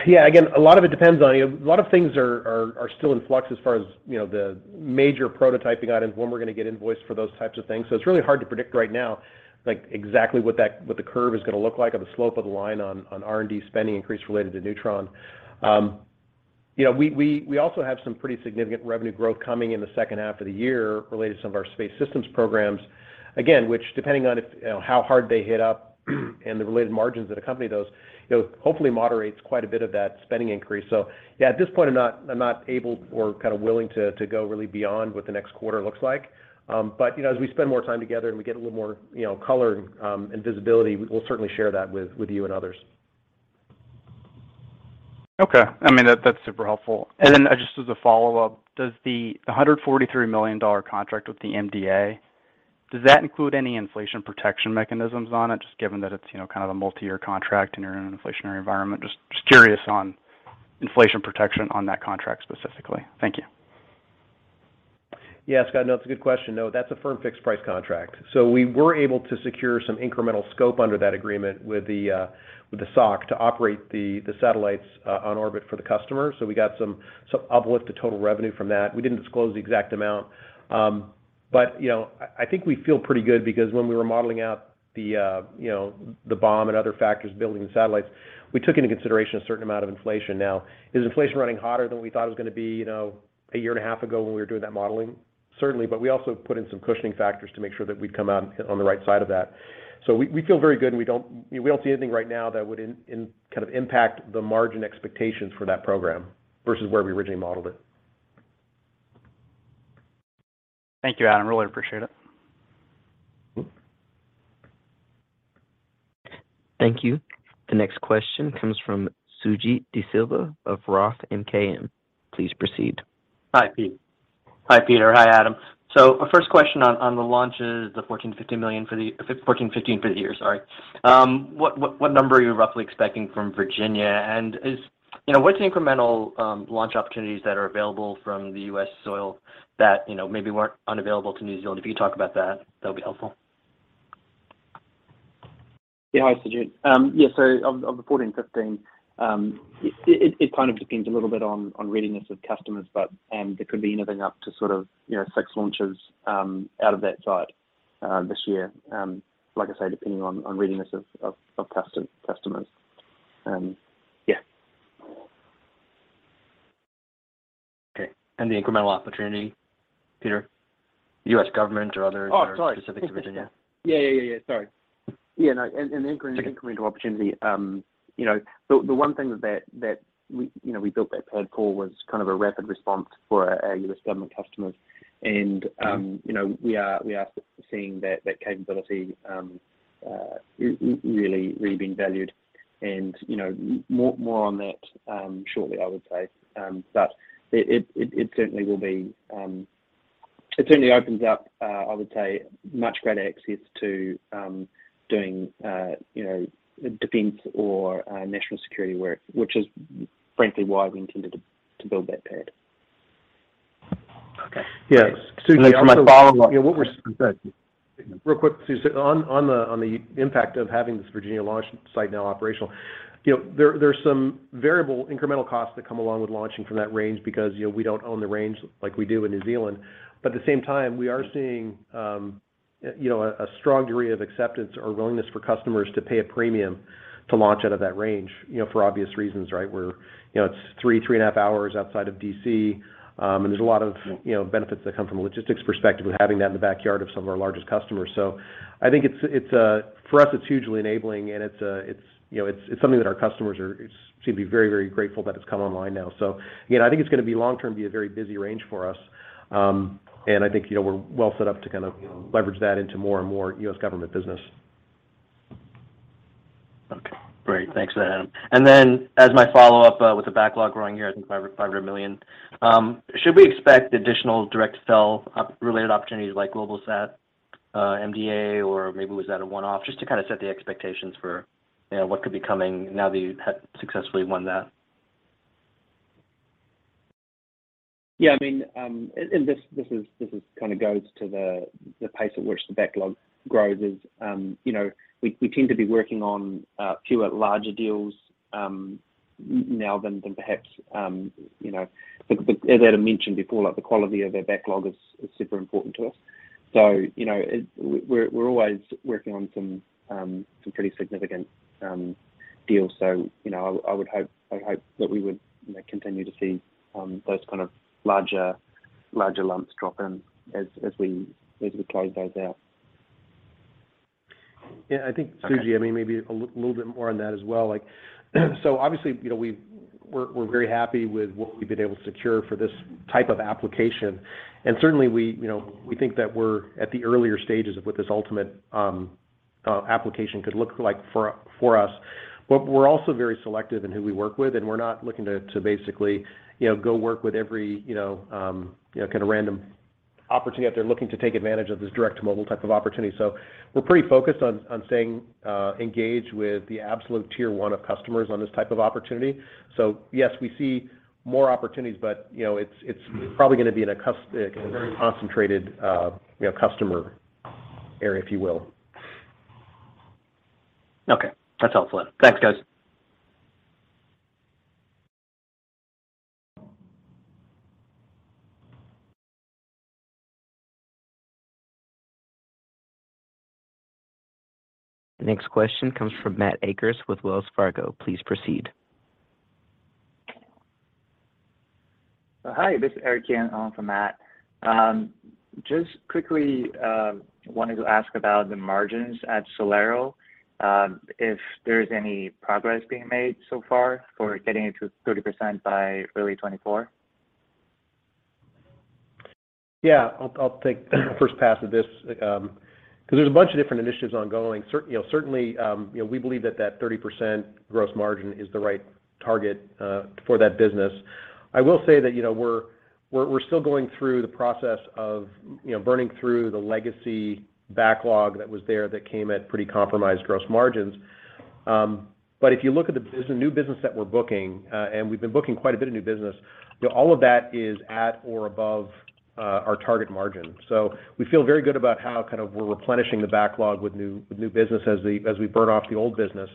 Yeah. Again, a lot of it depends on, you know. A lot of things are still in flux as far as, you know, the major prototyping items, when we're gonna get invoiced for those types of things. It's really hard to predict right now, like exactly what the curve is gonna look like or the slope of the line on R&D spending increase related to Neutron. You know, we also have some pretty significant revenue growth coming in the second half of the year related to some of our space systems programs. Again, which depending on if, you know, how hard they hit up and the related margins that accompany those, you know, hopefully moderates quite a bit of that spending increase. Yeah, at this point I'm not able or kind of willing to go really beyond what the next quarter looks like. But, you know, as we spend more time together and we get a little more, you know, color, and visibility, we'll certainly share that with you and others. Okay. I mean, that's super helpful. Just as a follow-up, does the $143 million contract with the MDA include any inflation protection mechanisms on it, just given that it's, you know, kind of a multi-year contract and you're in an inflationary environment? Just curious on inflation protection on that contract specifically. Thank you. Yeah, Scott. No, it's a good question. No, that's a firm fixed price contract. We were able to secure some incremental scope under that agreement with the SOC to operate the satellites on orbit for the customer. We got some uplift to total revenue from that. We didn't disclose the exact amount. You know, I think we feel pretty good because when we were modeling out the, you know, the BOM and other factors building the satellites, we took into consideration a certain amount of inflation. Now, is inflation running hotter than we thought it was gonna be, you know, a year and a half ago when we were doing that modeling? Certainly. We also put in some cushioning factors to make sure that we'd come out on the right side of that. We feel very good, and we don't see anything right now that would kind of impact the margin expectations for that program versus where we originally modeled it. Thank you, Adam. Really appreciate it. Thank you. The next question comes from Suji Desilva of ROTH MKM. Please proceed. Hi, Pete. Hi, Peter. Hi, Adam. First question on the launches, the 14, 15 for the year. Sorry. What number are you roughly expecting from Virginia? Is, you know, what's the incremental launch opportunities that are available from the U.S. soil that, you know, maybe weren't unavailable to New Zealand? If you could talk about that'll be helpful. Yeah. Hi, Sujit. Of the 14, 15, it kind of depends a little bit on readiness of customers, there could be anything up to sort of, you know, 6 launches out of that site this year. Like I say, depending on readiness of customers. Okay. The incremental opportunity, Peter? U.S. government or other- Oh, sorry.... specific to Virginia. Yeah, yeah. Sorry. Yeah, no. The incremental opportunity, you know, the one thing that we, you know, we built that pad for was kind of a rapid response for our U.S. government customers. You know, we are seeing that capability really being valued. You know, more on that shortly, I would say. It certainly opens up, I would say, much greater access to doing, you know, defense or national security work, which is frankly why we intended to build that pad. Okay. Yeah. Sujit. For my follow-up. Yeah. What we're saying. Real quick, Sujit. On the impact of having this Virginia launch site now operational, you know, there's some variable incremental costs that come along with launching from that range because, you know, we don't own the range like we do in New Zealand. At the same time, we are seeing, you know, a strong degree of acceptance or willingness for customers to pay a premium to launch out of that range, you know, for obvious reasons, right? We're, you know, it's three and a half hours outside of D.C. There's a lot of, you know, benefits that come from a logistics perspective with having that in the backyard of some of our largest customers. I think it's for us it's hugely enabling and it's, you know, it's something that our customers are seem to be very, very grateful that it's come online now. Again, I think it's gonna be long-term be a very busy range for us. I think, you know, we're well set up to kind of, you know, leverage that into more and more U.S. government business. Okay. Great. Thanks for that, Adam. As my follow-up, with the backlog growing here, I think $500 million, should we expect additional direct sell related opportunities like Globalstar, MDA, or maybe was that a one-off? Just to kind of set the expectations for, you know, what could be coming now that you have successfully won that. Yeah, I mean, this is kind of goes to the pace at which the backlog grows is, you know, we tend to be working on, fewer larger deals, than perhaps, you know. As Adam mentioned before, like the quality of our backlog is super important to us. We're always working on some pretty significant, deals. I would hope, I hope that we would, you know, continue to see, those kind of larger lumps drop in as we, as we close those out. Yeah. I think, Sujit, I mean, maybe a little bit more on that as well. Like, obviously, you know, we're very happy with what we've been able to secure for this type of application. Certainly we, you know, we think that we're at the earlier stages of what this ultimate application could look like for us. We're also very selective in who we work with, and we're not looking to basically, you know, go work with every, you know, kind of random opportunity out there looking to take advantage of this direct to mobile type of opportunity. We're pretty focused on staying engaged with the absolute tier one of customers on this type of opportunity. Yes, we see more opportunities, but, you know, it's probably going to be in a very concentrated, you know, customer area, if you will. Okay. That's helpful, Adam. Thanks, guys. Next question comes from Matthew Akers with Wells Fargo. Please proceed. Hi, this is Eric Yan on for Matt. Just quickly, wanted to ask about the margins at SolAero, if there is any progress being made so far for getting it to 30% by early 2024. I'll take the first pass at this. 'Cause there's a bunch of different initiatives ongoing. You know, certainly, you know, we believe that that 30% gross margin is the right target for that business. I will say that, you know, we're still going through the process of, you know, burning through the legacy backlog that was there that came at pretty compromised gross margins. If you look at the business, the new business that we're booking, and we've been booking quite a bit of new business, you know, all of that is at or above our target margin. We feel very good about how kind of we're replenishing the backlog with new business as we burn off the old business.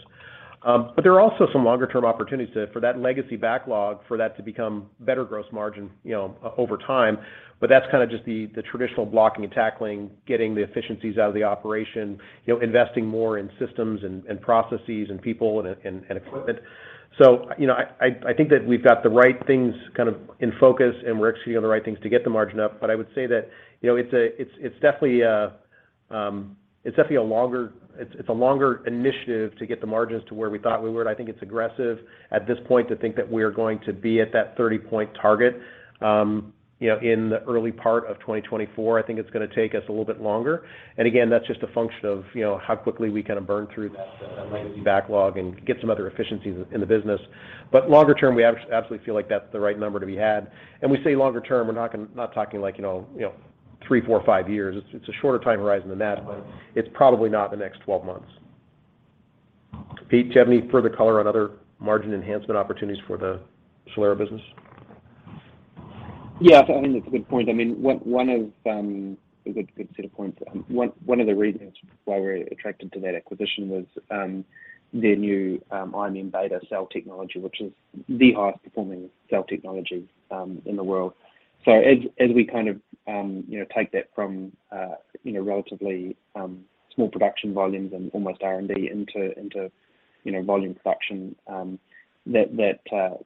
But there are also some longer-term opportunities to, for that legacy backlog for that to become better gross margin, you know, over time, but that's kind of just the traditional blocking and tackling, getting the efficiencies out of the operation, you know, investing more in systems and processes and people and equipment. You know, I, I think that we've got the right things kind of in focus and we're actually on the right things to get the margin up. I would say that, you know, it's definitely a, it's definitely a longer, it's a longer initiative to get the margins to where we thought we were, and I think it's aggressive at this point to think that we're going to be at that 30-point target, you know, in the early part of 2024. I think it's gonna take us a little bit longer. That's just a function of, you know, how quickly we kinda burn through that legacy backlog and get some other efficiencies in the business. Longer term, we absolutely feel like that's the right number to be had. We say longer term, we're not gonna, not talking like, you know, three, four, five years. It's a shorter time horizon than that, but it's probably not the next 12 months. Pete, do you have any further color on other margin enhancement opportunities for the SolAero business? Yeah. I think that's a good point. I mean, one of a good set of points. One of the reasons why we're attracted to that acquisition was their new IMM-beta cell technology, which is the highest performing cell technology in the world. As we kind of, you know, take that from, you know, relatively small production volumes and almost R&D into, you know, volume production, that,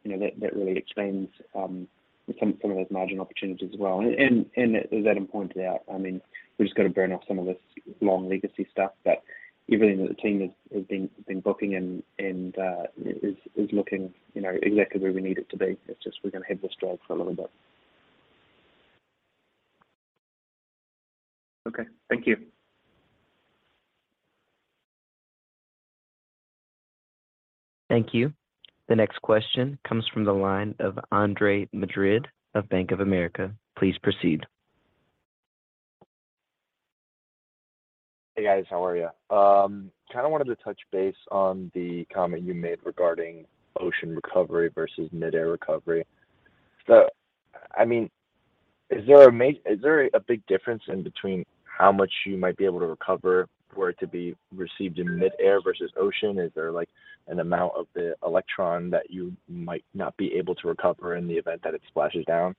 you know, that really expands some of those margin opportunities as well. As Adam pointed out, I mean, we've just got to burn off some of this long legacy stuff, but everything that the team has been booking and is looking, you know, exactly where we need it to be. It's just we're gonna hit this drag for a little bit. Okay. Thank you. Thank you. The next question comes from the line of Andre Madrid of Bank of America. Please proceed. Hey, guys. How are you? kinda wanted to touch base on the comment you made regarding ocean recovery versus midair recovery. I mean, is there a big difference in between how much you might be able to recover were it to be received in midair versus ocean? Is there like an amount of the Electron that you might not be able to recover in the event that it splashes down?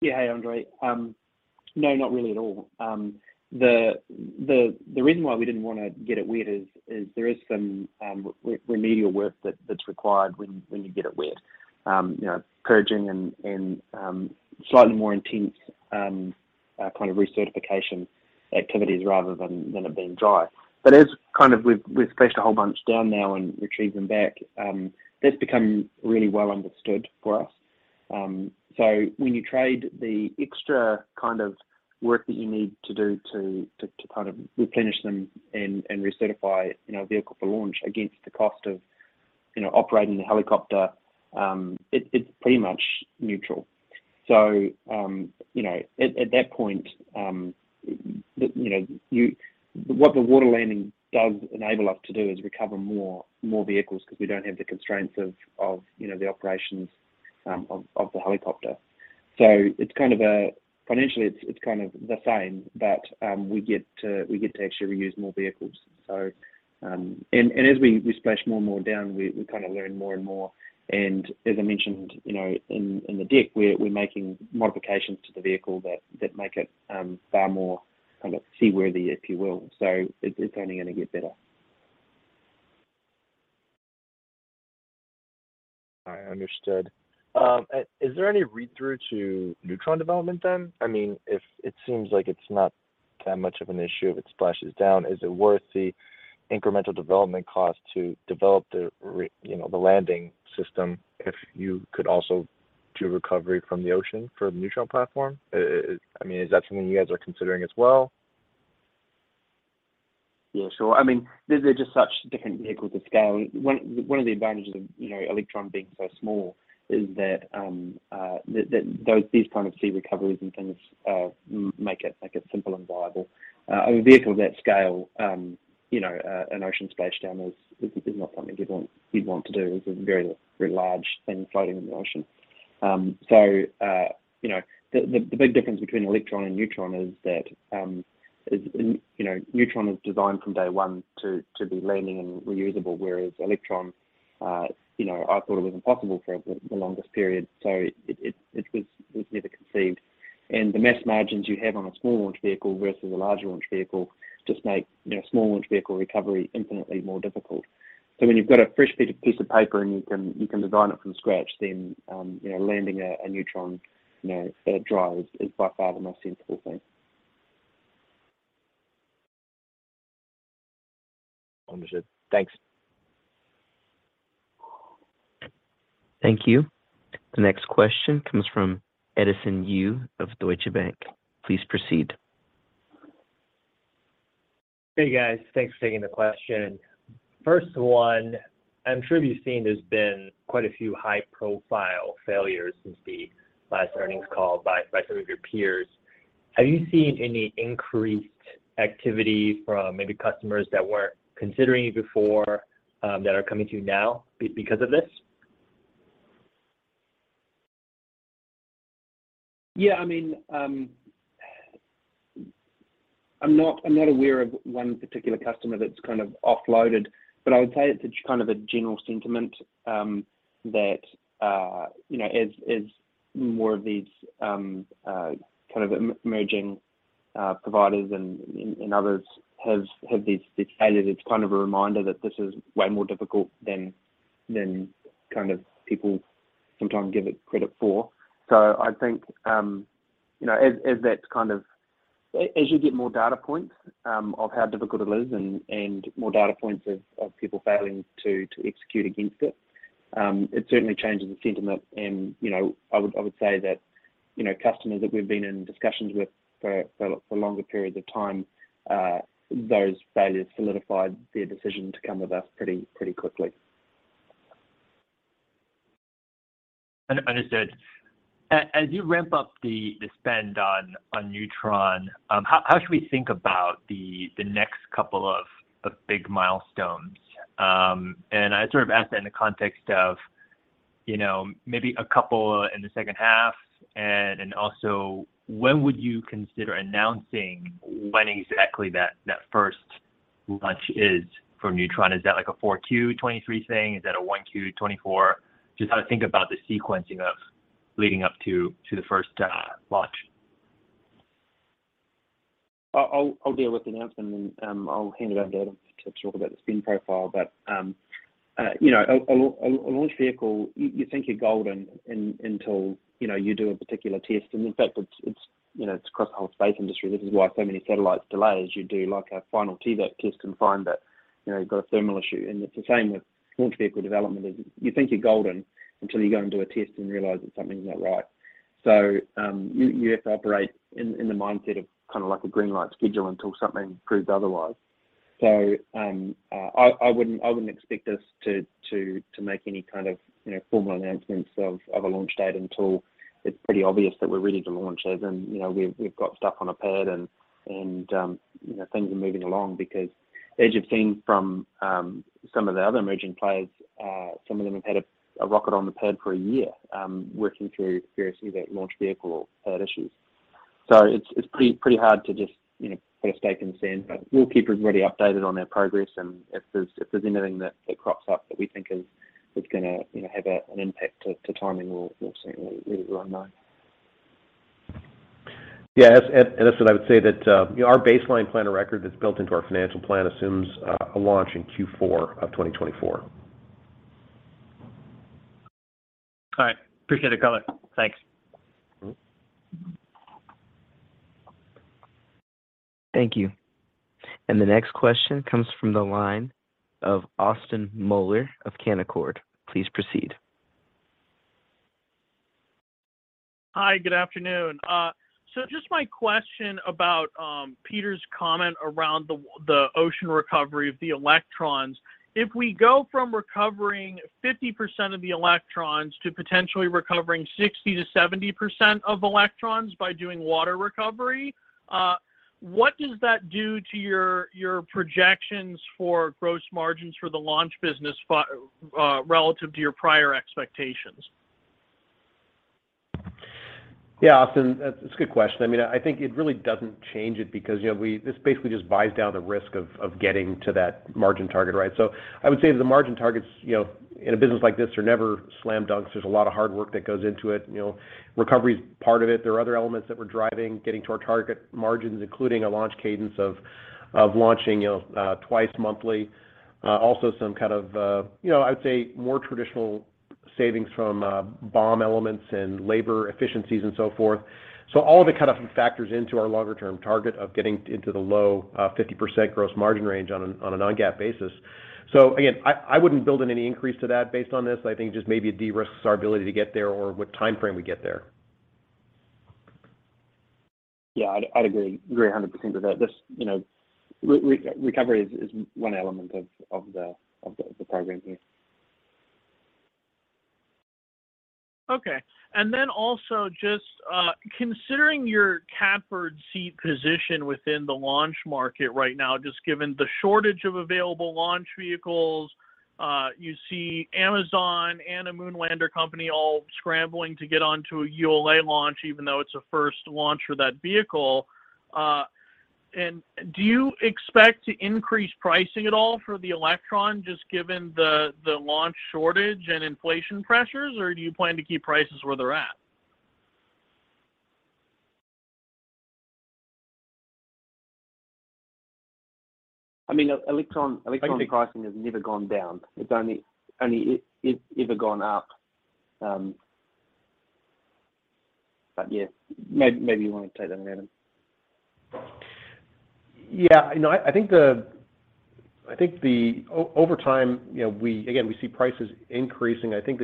Yeah. Hey, Andre. No, not really at all. The reason why we didn't wanna get it wet is there is some remedial work that's required when you get it wet. You know, purging and slightly more intense kind of recertification activities rather than it being dry. As kind of we've splashed a whole bunch down now and retrieved them back, that's become really well understood for us. When you trade the extra kind of work that you need to do to kind of replenish them and recertify, you know, a vehicle for launch against the cost of, you know, operating the helicopter, it's pretty much neutral. You know, at that point, you know, what the water landing does enable us to do is recover more vehicles ’cause we don't have the constraints of, you know, the operations of the helicopter. It's kind of a... financially it's kind of the same, but we get to actually reuse more vehicles. And as we splash more and more down, we kind of learn more and more. As I mentioned, you know, in the deck, we're making modifications to the vehicle that make it far more kind of seaworthy, if you will. It's only going to get better. All right. Understood. Is there any read-through to Neutron development then? I mean, if it seems like it's not that much of an issue if it splashes down, is it worth the incremental development cost to develop the you know, the landing system if you could also do recovery from the ocean for the Neutron platform? I mean, is that something you guys are considering as well? Sure. I mean, they're just such different vehicles of scale. One of the advantages of, you know, Electron being so small is that those, these kind of sea recoveries and things make it simple and viable. A vehicle of that scale, you know, an ocean splashdown is not something you'd want to do. It's a very large thing floating in the ocean. You know, the big difference between Electron and Neutron is that, is, you know, Neutron is designed from day one to be landing and reusable, whereas Electron, you know, I thought it was impossible for the longest period, so it was never conceived. The mass margins you have on a small launch vehicle versus a larger launch vehicle just make, you know, small launch vehicle recovery infinitely more difficult. When you've got a fresh piece of paper, and you can design it from scratch, then, you know, landing a Neutron, you know, dry is by far the most sensible thing. Understood. Thanks. Thank you. The next question comes from Edison Yu of Deutsche Bank. Please proceed. Hey, guys. Thanks for taking the question. First one, I'm sure you've seen there's been quite a few high-profile failures since the last earnings call by some of your peers. Have you seen any increased activity from maybe customers that weren't considering you before, that are coming to you now because of this? I mean, I'm not aware of one particular customer that's kind of offloaded. I would say it's a kind of a general sentiment that, you know, as more of these kind of emerging providers and others have these failures, it's kind of a reminder that this is way more difficult than kind of people sometimes give it credit for. I think, you know, as you get more data points of how difficult it is and more data points of people failing to execute against it certainly changes the sentiment. you know, I would say that, you know, customers that we've been in discussions with for longer periods of time, those failures solidified their decision to come with us pretty quickly. As you ramp up the spend on Neutron, how should we think about the next couple of big milestones? I sort of ask that in the context of, you know, maybe a couple in the second half. Also, when would you consider announcing when exactly that first launch is for Neutron? Is that like a 4 Q 2023 thing? Is that a 1 Q 2024? Just how to think about the sequencing of leading up to the first launch. I'll deal with the announcement, then I'll hand it over to Adam to talk about the spend profile. But, you know, a launch vehicle, you think you're golden until, you know, you do a particular test. In fact, it's, you know, it's across the whole space industry. This is why so many satellites delays. You do like a final TVAC test and find that, you know, you've got a thermal issue. It's the same with launch vehicle development, is you think you're golden until you go and do a test and realize that something's not right. You have to operate in the mindset of kind of like a green light schedule until something proves otherwise. I wouldn't expect us to make any kind of, you know, formal announcements of a launch date until it's pretty obvious that we're ready to launch it. You know, we've got stuff on a pad, and, you know, things are moving along. As you've seen from some of the other emerging players, some of them have had a rocket on the pad for a year, working through variously that launch vehicle or pad issues. It's pretty hard to just, you know, put a stake in the sand. We'll keep everybody updated on our progress, and if there's anything that crops up that we think is gonna, you know, have an impact to timing, we'll certainly let everyone know. Yeah. Edison, I would say that, you know, our baseline plan of record that's built into our financial plan assumes, a launch in Q4 of 2024. All right. Appreciate the color. Thanks. Thank you. The next question comes from the line of Austin Moeller of Canaccord. Please proceed. Hi. Good afternoon. Just my question about Peter's comment around the ocean recovery of the Electrons. If we go from recovering 50% of the Electrons to potentially recovering 60%-70% of Electrons by doing water recovery, what does that do to your projections for gross margins for the launch business relative to your prior expectations? Austin, that's a good question. I mean, I think it really doesn't change it because, you know, this basically just buys down the risk of getting to that margin target, right? I would say the margin targets, you know, in a business like this are never slam dunks. There's a lot of hard work that goes into it. You know, recovery's part of it. There are other elements that we're driving, getting to our target margins, including a launch cadence of launching, you know, twice monthly. Also some kind of, you know, I would say more traditional savings from BOM elements and labor efficiencies and so forth. All of it kind of factors into our longer term target of getting into the low 50% gross margin range on a non-GAAP basis. Again, I wouldn't build in any increase to that based on this. I think just maybe it de-risks our ability to get there or what timeframe we get there. Yeah. I'd agree 100% with that. This, you know, recovery is one element of the program here. Okay. Also just considering your captured seat position within the launch market right now, just given the shortage of available launch vehicles, you see Amazon and a moon lander company all scrambling to get onto a ULA launch, even though it's a first launch for that vehicle. Do you expect to increase pricing at all for the Electron just given the launch shortage and inflation pressures, or do you plan to keep prices where they're at? I mean, Electron pricing has never gone down. It's only it ever gone up. Yeah, maybe you wanna take that, Adam. Yeah. No, I think the, I think the over time, you know, we, again, we see prices increasing. I think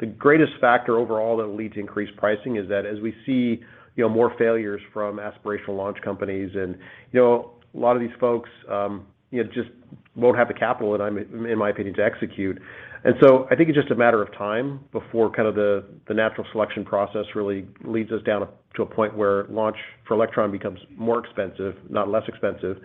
the greatest factor overall that'll lead to increased pricing is that as we see, you know, more failures from aspirational launch companies. You know, a lot of these folks, you know, just won't have the capital, in my opinion, to execute. I think it's just a matter of time before kind of the natural selection process really leads us down to a point where launch for Electron becomes more expensive, not less expensive.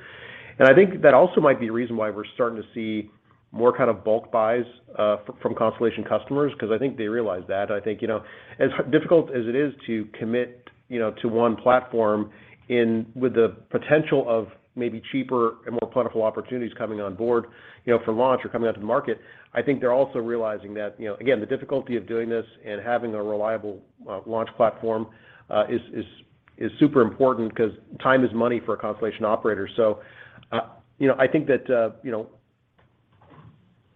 I think that also might be a reason why we're starting to see more kind of bulk buys, from Constellation customers, 'cause I think they realize that. I think, you know, as difficult as it is to commit, you know, to one platform in, with the potential of maybe cheaper and more plentiful opportunities coming on board, you know, for launch or coming out to the market. I think they're also realizing that, you know, again, the difficulty of doing this and having a reliable launch platform is super important 'cause time is money for a Constellation operator. I think that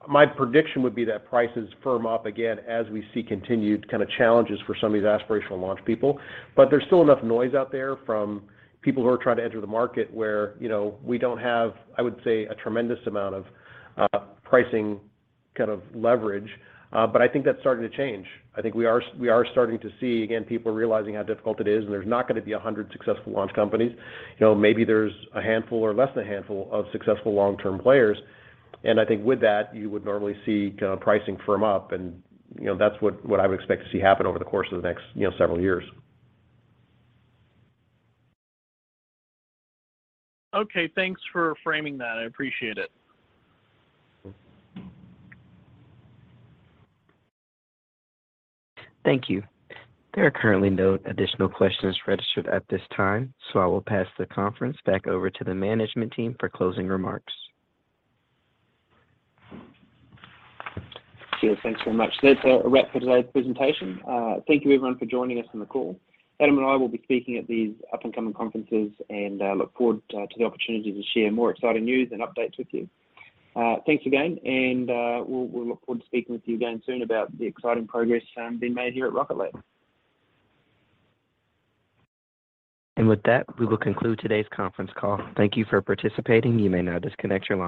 my prediction would be that prices firm up again as we see continued kind of challenges for some of these aspirational launch people. There's still enough noise out there from people who are trying to enter the market where, you know, we don't have, I would say, a tremendous amount of pricing kind of leverage. I think that's starting to change. I think we are starting to see, again, people realizing how difficult it is, and there's not gonna be 100 successful launch companies. You know, maybe there's a handful or less than a handful of successful long-term players. I think with that, you would normally see kinda pricing firm up and, you know, that's what I would expect to see happen over the course of the next, you know, several years. Okay. Thanks for framing that. I appreciate it. Thank you. There are currently no additional questions registered at this time, so I will pass the conference back over to the management team for closing remarks. Thanks very much. That's a wrap for today's presentation. Thank you everyone for joining us on the call. Adam and I will be speaking at these up and coming conferences, and look forward to the opportunity to share more exciting news and updates with you. Thanks again, and we'll look forward to speaking with you again soon about the exciting progress being made here at Rocket Lab. With that, we will conclude today's conference call. Thank you for participating. You may now disconnect your line.